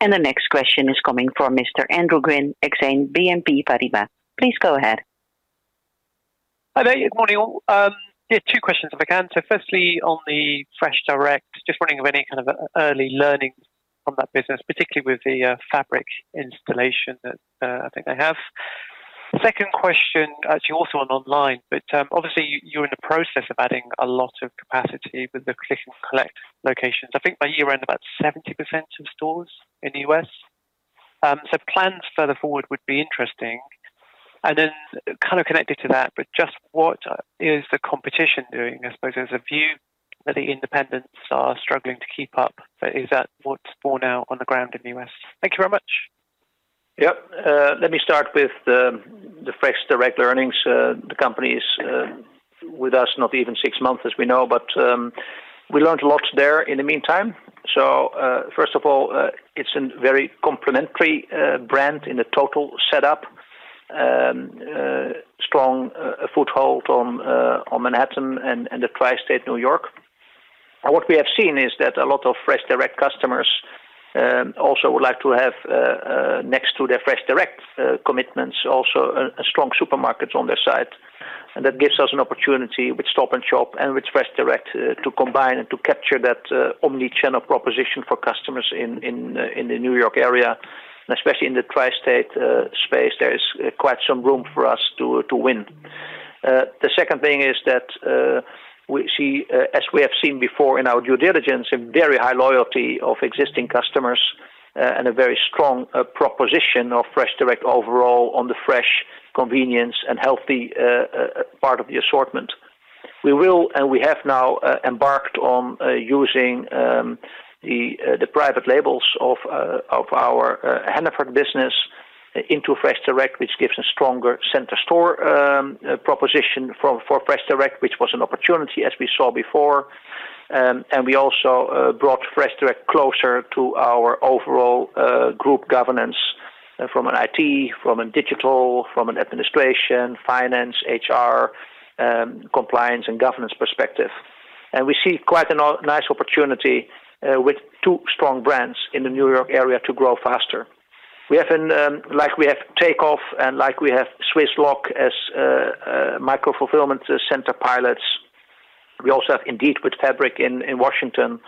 The next question is coming from Mr. Andrew Gwynn, Exane BNP Paribas. Please go ahead. Hi there. Good morning, all. Two questions if I can. Firstly, on FreshDirect, just wondering of any kind of early learnings from that business, particularly with the Fabric installation that I think they have. Second question, actually also on online, but obviously, you're in the process of adding a lot of capacity with the Click & Collect locations. I think by year-end, about 70% of stores in the U.S.. Plans further forward would be interesting. Then kind of connected to that, just what is the competition doing? I suppose there's a view that the independents are struggling to keep up, but is that what's borne out on the ground in the U.S.? Thank you very much. Yep. Let me start with the FreshDirect earnings. The company is with us not even six months, as we know, but we learned a lot there in the meantime. First of all, it's a very complementary brand in the total setup. Strong foothold on Manhattan and the tri-state New York. What we have seen is that a lot of FreshDirect customers also would like to have next to their FreshDirect commitments, also a strong supermarket on their side. That gives us an opportunity with Stop & Shop and with FreshDirect to combine and to capture that omnichannel proposition for customers in the New York area, and especially in the tri-state space, there is quite some room for us to win. The second thing is that we see, as we have seen before in our due diligence, a very high loyalty of existing customers and a very strong proposition of FreshDirect overall on the fresh, convenience, and healthy part of the assortment. We will, and we have now embarked on using the private labels of our Hannaford business into FreshDirect, which gives a stronger center store proposition for FreshDirect, which was an opportunity as we saw before. We also brought FreshDirect closer to our overall group governance from an IT, from a digital, from an administration, finance, HR, compliance, and governance perspective. We see quite a nice opportunity with two strong brands in the New York area to grow faster. Like we have Takeoff and like we have Swisslog as micro-fulfillment center pilots. We also have, indeed, with Fabric in Washington,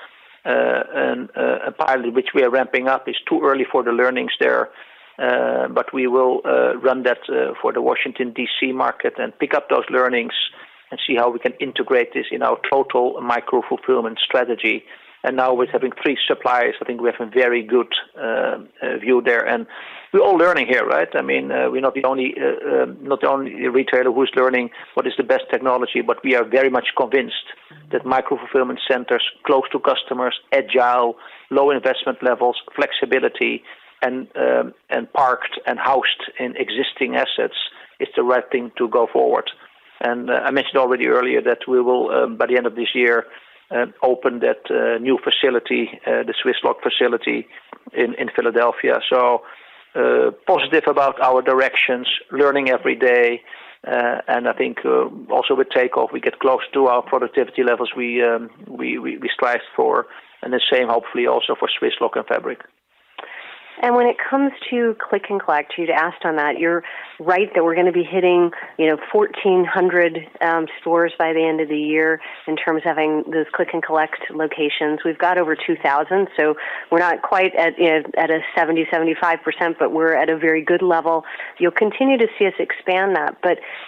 a pilot which we are ramping up. It's too early for the learnings there, but we will run that for the Washington, D.C. market and pick up those learnings and see how we can integrate this in our total micro-fulfillment strategy. Now with having three suppliers, I think we have a very good view there. We're all learning here, right? We're not the only retailer who's learning what is the best technology, but we are very much convinced that micro-fulfillment centers close to customers, agile, low investment levels, flexibility, and parked and housed in existing assets is the right thing to go forward. I mentioned already earlier that we will, by the end of this year, open that new facility, the Swisslog facility in Philadelphia. Positive about our directions, learning every day, and I think also with Takeoff, we get close to our productivity levels we strive for, and the same hopefully also for Swisslog and Fabric. When it comes to Click & Collect, you'd asked on that, you're right that we're going to be hitting 1,400 stores by the end of the year in terms of having those Click & Collect locations. We've got over 2,000, so we're not quite at a 70%-75%, but we're at a very good level. You'll continue to see us expand that.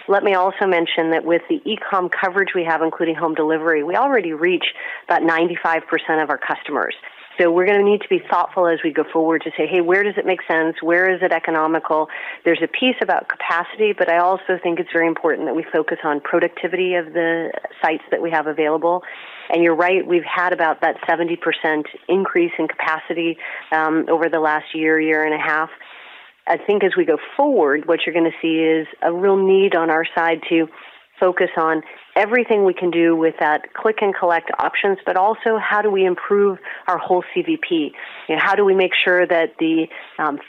Let me also mention that with the e-com coverage we have, including home delivery, we already reach about 95% of our customers. We're going to need to be thoughtful as we go forward to say, hey, where does it make sense? Where is it economical? There's a piece about capacity, but I also think it's very important that we focus on productivity of the sites that we have available. You're right, we've had about that 70% increase in capacity over the last year and a half. I think as we go forward, what you're going to see is a real need on our side to focus on everything we can do with that Click & Collect options, but also how do we improve our whole CVP? How do we make sure that the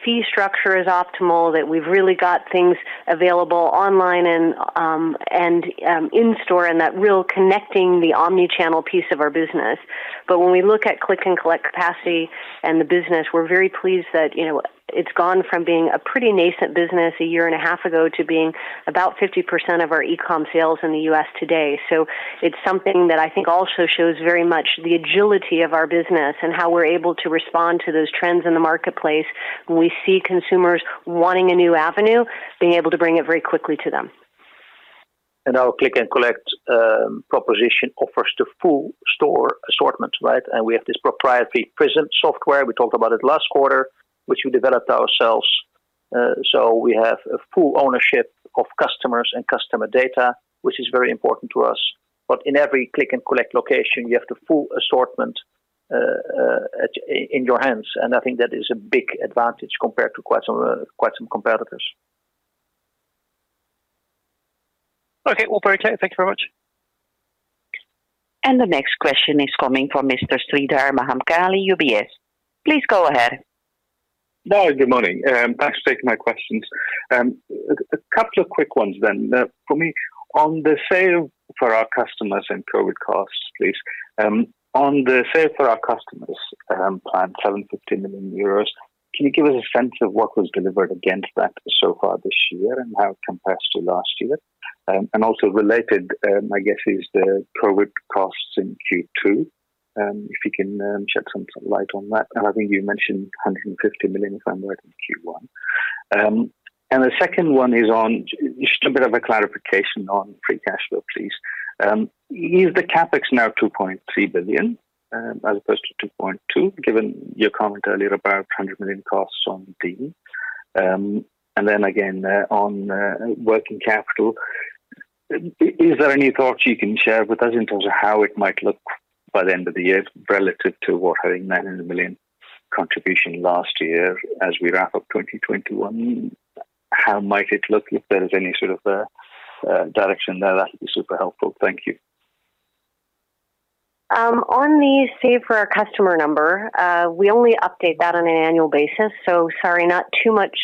fee structure is optimal, that we've really got things available online and in store, and that real connecting the omnichannel piece of our business. When we look at Click & Collect capacity and the business, we're very pleased that it's gone from being a pretty nascent business a year and a half ago to being about 50% of our e-com sales in the U.S. today. It's something that I think also shows very much the agility of our business and how we're able to respond to those trends in the marketplace when we see consumers wanting a new avenue, being able to bring it very quickly to them. Our Click & Collect proposition offers the full store assortment, right. We have this proprietary PRISM software, we talked about it last quarter, which we developed ourselves. We have a full ownership of customers and customer data, which is very important to us. In every Click & Collect location, you have the full assortment in your hands, and I think that is a big advantage compared to quite some competitors. Okay. Well, very clear. Thank you very much. The next question is coming from Mr. Sreedhar Mahamkali, UBS. Please go ahead. Hi, good morning. Thanks for taking my questions. A couple of quick ones. For me, on the Save for Our Customers and COVID costs, please. On the Save for Our Customers plan, 750 million euros, can you give us a sense of what was delivered against that so far this year and how it compares to last year? Also related, I guess, is the COVID costs in Q2, if you can shed some light on that. I think you mentioned 150 million, if I'm right, in Q1. The second one is on just a bit of a clarification on free cash flow, please. Is the CapEx now 2.3 billion as opposed to 2.2 billion, given your comment earlier about 100 million costs on DEEN? Again, on working capital, is there any thoughts you can share with us in terms of how it might look by the end of the year relative to what having 900 million contribution last year as we wrap up 2021? How might it look if there is any sort of direction there, that'd be super helpful. Thank you. On the Save for Our Customers number, we only update that on an annual basis, sorry, not too much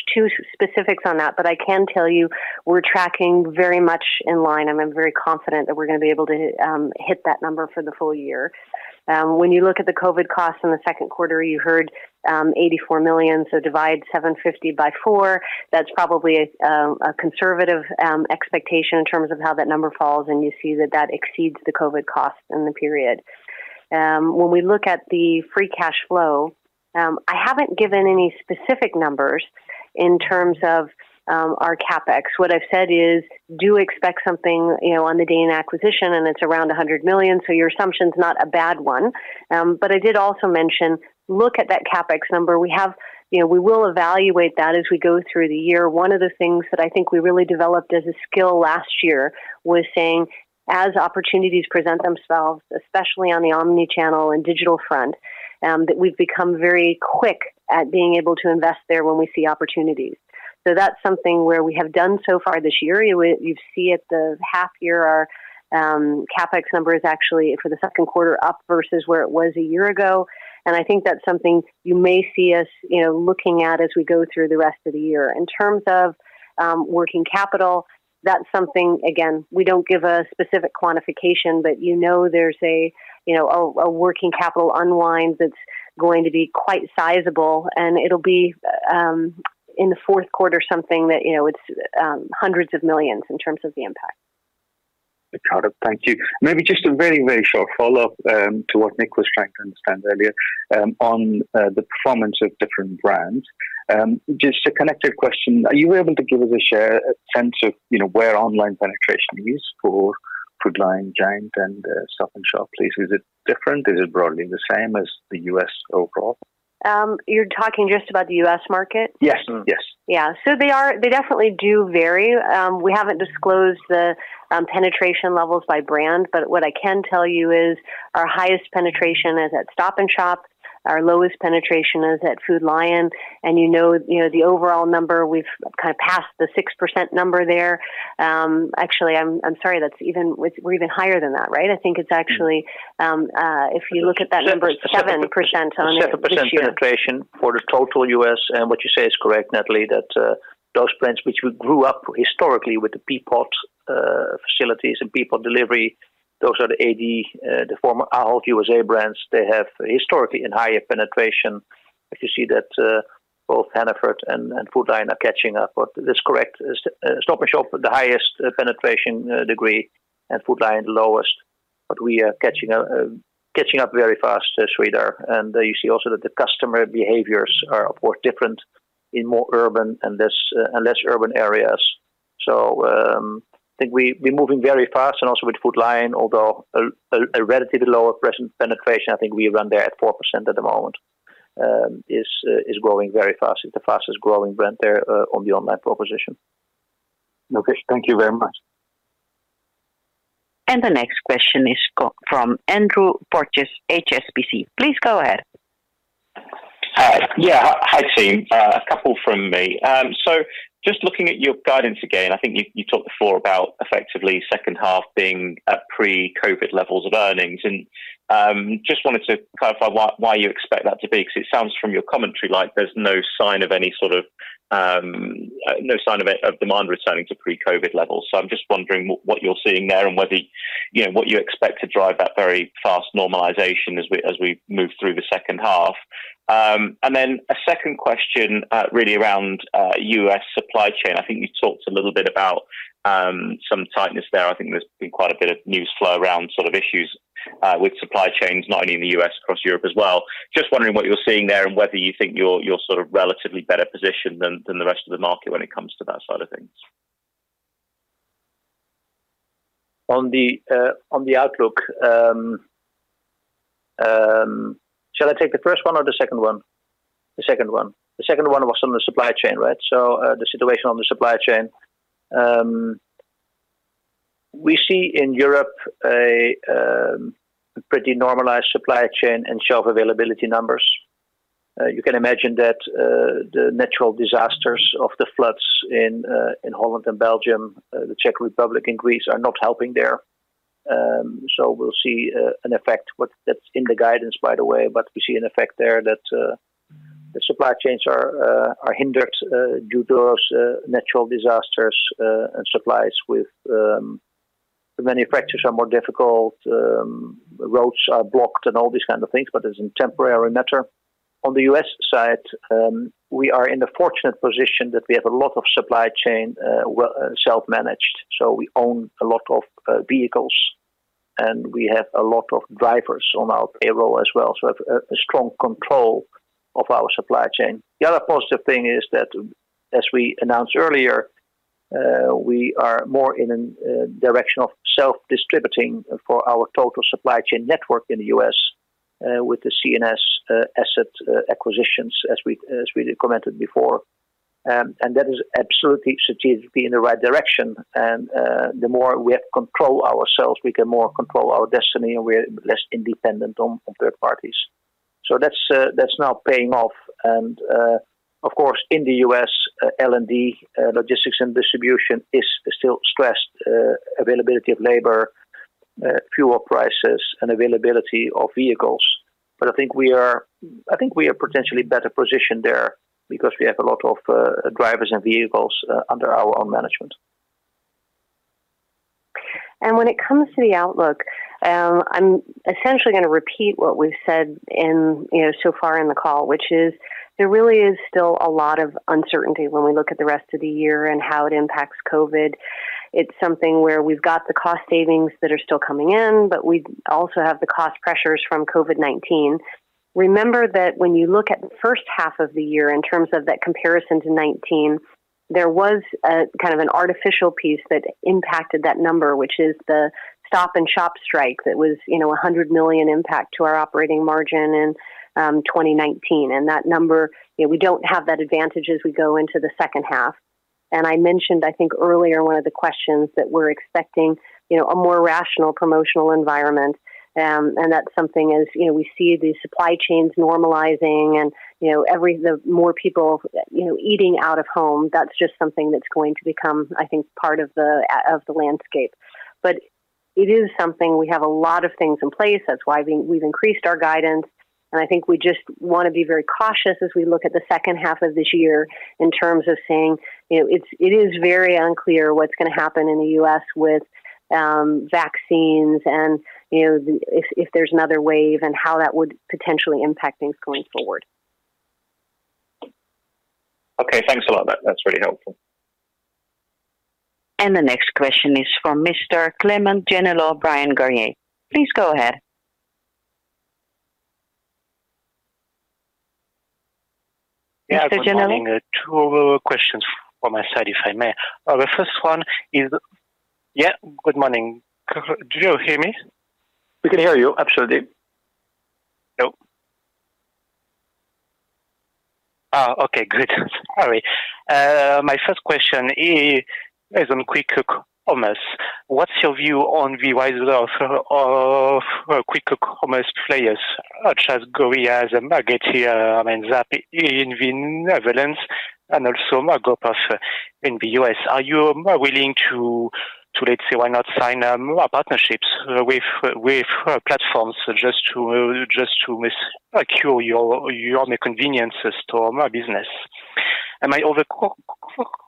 specifics on that. I can tell you we're tracking very much in line, and I'm very confident that we're going to be able to hit that number for the full year. When you look at the COVID costs in the Q2, you heard 84 million, divide 750 million by four. That's probably a conservative expectation in terms of how that number falls, and you see that that exceeds the COVID cost in the period. When we look at the free cash flow, I haven't given any specific numbers in terms of our CapEx. What I've said is, do expect something on the DEEN acquisition, and it's around 100 million, your assumption's not a bad one. I did also mention, look at that CapEx number. We will evaluate that as we go through the year. One of the things that I think we really developed as a skill last year was saying, as opportunities present themselves, especially on the omnichannel and digital front, that we've become very quick at being able to invest there when we see opportunities. That's something where we have done so far this year. You see it, the half year, our CapEx number is actually for the second quarter up versus where it was a year ago. I think that's something you may see us looking at as we go through the rest of the year. In terms of working capital, that is something, again, we don't give a specific quantification. You know a working capital unwinds, it's going to be quite sizable. It'll be in the fourth quarter, something that it's hundreds of millions in terms of the impact. Got it. Thank you. Maybe just a very short follow-up to what Nick was trying to understand earlier on the performance of different brands. A connected question, are you able to give us a sense of where online penetration is for Food Lion, GIANT, and Stop & Shop, please? Is it different? Is it broadly the same as the U.S. overall? You're talking just about the U.S. market? Yes. Yeah. They definitely do vary. We haven't disclosed the penetration levels by brand, but what I can tell you is our highest penetration is at Stop & Shop. Our lowest penetration is at Food Lion, and you know the overall number, we've passed the 6% number there. Actually, I'm sorry, we're even higher than that, right? I think it's actually, if you look at that number, 7% on. 7% penetration for the total U.S. What you say is correct, Natalie, that those brands which we grew up historically with the Peapod facilities and Peapod delivery, those are the AD, the former Ahold USA brands. They have historically a higher penetration. If you see that both Hannaford and Food Lion are catching up. That's correct. Stop & Shop with the highest penetration degree and Food Lion the lowest. We are catching up very fast, Sreedhar. You see also that the customer behaviors are of course different in more urban and less urban areas. I think we're moving very fast and also with Food Lion, although a relatively lower present penetration, I think we run there at 4% at the moment, is growing very fast. It's the fastest growing brand there on the online proposition. Okay. Thank you very much. The next question is from Andrew Porteous, HSBC. Please go ahead. Hi. Hi, team. A couple from me. Just looking at your guidance again, I think you talked before about effectively second half being at pre-COVID levels of earnings. I just wanted to clarify why you expect that to be, because it sounds from your commentary like there's no sign of demand returning to pre-COVID levels. I'm just wondering what you're seeing there and what you expect to drive that very fast normalization as we move through the second half. A second question, really around U.S. supply chain. I think you talked a little bit about some tightness there. I think there's been quite a bit of news flow around issues with supply chains, not only in the U.S., across Europe as well. Just wondering what you're seeing there and whether you think you're relatively better positioned than the rest of the market when it comes to that side of things. On the outlook, shall I take the first one or the second one? The second one. The second one was on the supply chain, right? The situation on the supply chain. We see in Europe a pretty normalized supply chain and shelf availability numbers. You can imagine that the natural disasters of the floods in Holland and Belgium, the Czech Republic and Greece are not helping there. We'll see an effect, that's in the guidance, by the way, but we see an effect there that the supply chains are hindered due to those natural disasters and supplies with the manufacturers are more difficult, roads are blocked and all these kind of things, but it's a temporary matter. On the U.S. side, we are in the fortunate position that we have a lot of supply chain self-managed. We own a lot of vehicles, and we have a lot of drivers on our payroll as well. We have a strong control of our supply chain. The other positive thing is that, as we announced earlier, we are more in a direction of self-distributing for our total supply chain network in the U.S., with the C&S asset acquisitions, as we commented before. That is absolutely strategically in the right direction, and the more we have control ourselves, we can more control our destiny, and we are less independent on third parties. That's now paying off, and, of course, in the U.S., L&D, logistics and distribution is still stressed. Availability of labor, fuel prices, and availability of vehicles. I think we are potentially better positioned there because we have a lot of drivers and vehicles under our own management. When it comes to the outlook, I'm essentially going to repeat what we've said so far in the call, which is there really is still a lot of uncertainty when we look at the rest of the year and how it impacts COVID. It's something where we've got the cost savings that are still coming in, but we also have the cost pressures from COVID-19. Remember that when you look at the first half of the year in terms of that comparison to 2019, there was an artificial piece that impacted that number, which is the Stop & Shop strike that was 100 million impact to our operating margin in 2019. That number, we don't have that advantage as we go into the second half. I mentioned, I think earlier in one of the questions, that we're expecting a more rational promotional environment. That's something as we see the supply chains normalizing and the more people eating out of home, that's just something that's going to become, I think, part of the landscape. It is something we have a lot of things in place. That's why we've increased our guidance. I think we just want to be very cautious as we look at the second half of this year in terms of saying it is very unclear what's going to happen in the U.S. with vaccines and if there's another wave and how that would potentially impact things going forward. Okay, thanks a lot. That's really helpful. The next question is from Mr. Clément Genelot, Bryan Garnier. Please go ahead. Mr. Genelot? Yeah. Good morning. Two questions from my side, if I may. Yeah. Good morning. Do you hear me? We can hear you. Absolutely. Okay, great. Sorry. My first question is on quick commerce. What's your view on the rise of quick commerce players such as Gorillas and Market, Zapp in the Netherlands, and also [market share] in the U.S.? Are you more willing to, let's say, why not sign more partnerships with platforms just to secure your own convenience store business? My other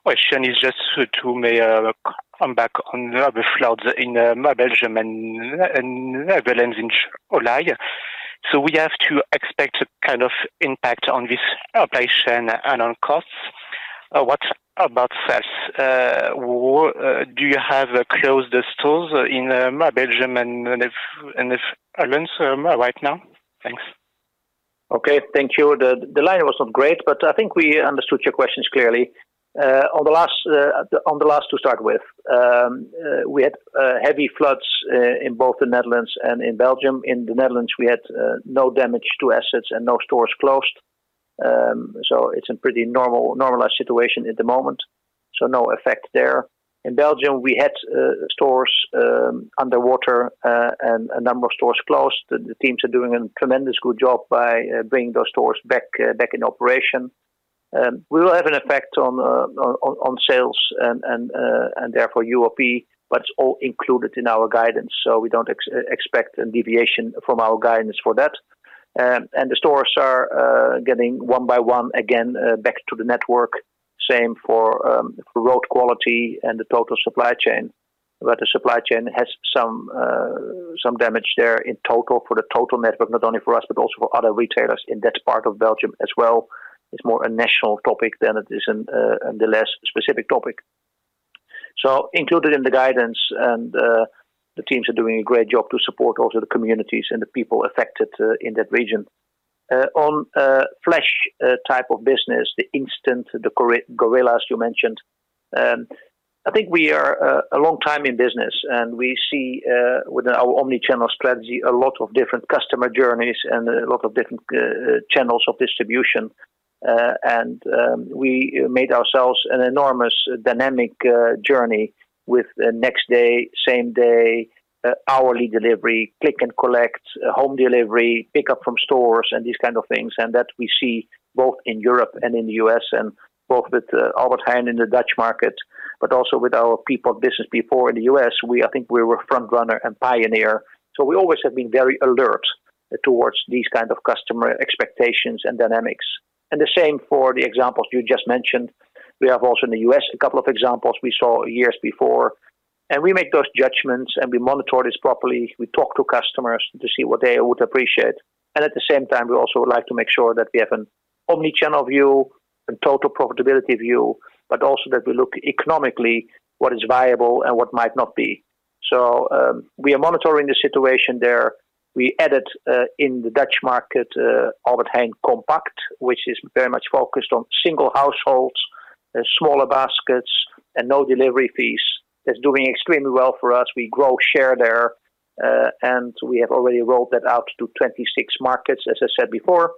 question is just to maybe come back on the floods in Belgium and the Netherlands in July. We have to expect some kind of impact on this operation and on costs. What about sales? Do you have closed stores in Belgium and the Netherlands right now? Thanks. Okay, thank you. The line was not great, but I think we understood your questions clearly. On the last, to start with. We had heavy floods in both the Netherlands and in Belgium. In the Netherlands, we had no damage to assets and no stores closed. It's a pretty normalized situation at the moment, so no effect there. In Belgium, we had stores underwater, and a number of stores closed. The teams are doing a tremendous good job by bringing those stores back in operation. We will have an effect on sales and therefore UOP, but it's all included in our guidance, so we don't expect a deviation from our guidance for that. The stores are getting one by one again back to the network, same for road quality and the total supply chain. The supply chain has some damage there in total for the total network, not only for us but also for other retailers in that part of Belgium as well. It's more a national topic than it is a less specific topic. Included in the guidance, and the teams are doing a great job to support also the communities and the people affected in that region. On flash type of business, the instant, the Gorillas you mentioned. I think we are a long time in business, and we see with our omnichannel strategy, a lot of different customer journeys and a lot of different channels of distribution. We made ourselves an enormous dynamic journey with next day, same day, hourly delivery, Click & Collect, home delivery, pick up from stores, and these kind of things. That we see both in Europe and in the U.S., and both with Albert Heijn in the Dutch market, but also with our Peapod business before in the U.S., I think we were front runner and pioneer. We always have been very alert towards these kind of customer expectations and dynamics. The same for the examples you just mentioned. We have also in the U.S. a couple of examples we saw years before, we make those judgments, we monitor this properly. We talk to customers to see what they would appreciate. At the same time, we also would like to make sure that we have an omnichannel view and total profitability view, also that we look economically what is viable and what might not be. We are monitoring the situation there. We added, in the Dutch market, Albert Heijn Compact, which is very much focused on single households, smaller baskets, and no delivery fees. It's doing extremely well for us. We grow share there, and we have already rolled that out to 26 markets, as I said before.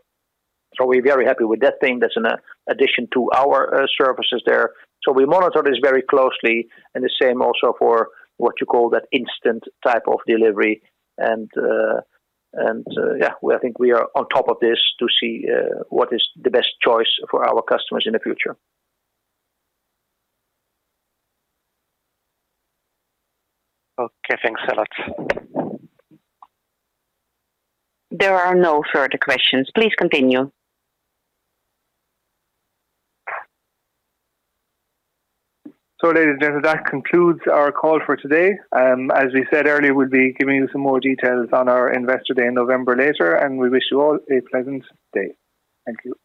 We're very happy with that thing. That's an addition to our services there. We monitor this very closely, and the same also for what you call that instant type of delivery. Yeah, I think we are on top of this to see what is the best choice for our customers in the future. Okay, thanks a lot. There are no further questions. Please continue. Ladies and gentlemen, that concludes our call for today. As we said earlier, we will be giving you some more details on our Investor Day in November later, and we wish you all a pleasant day. Thank you.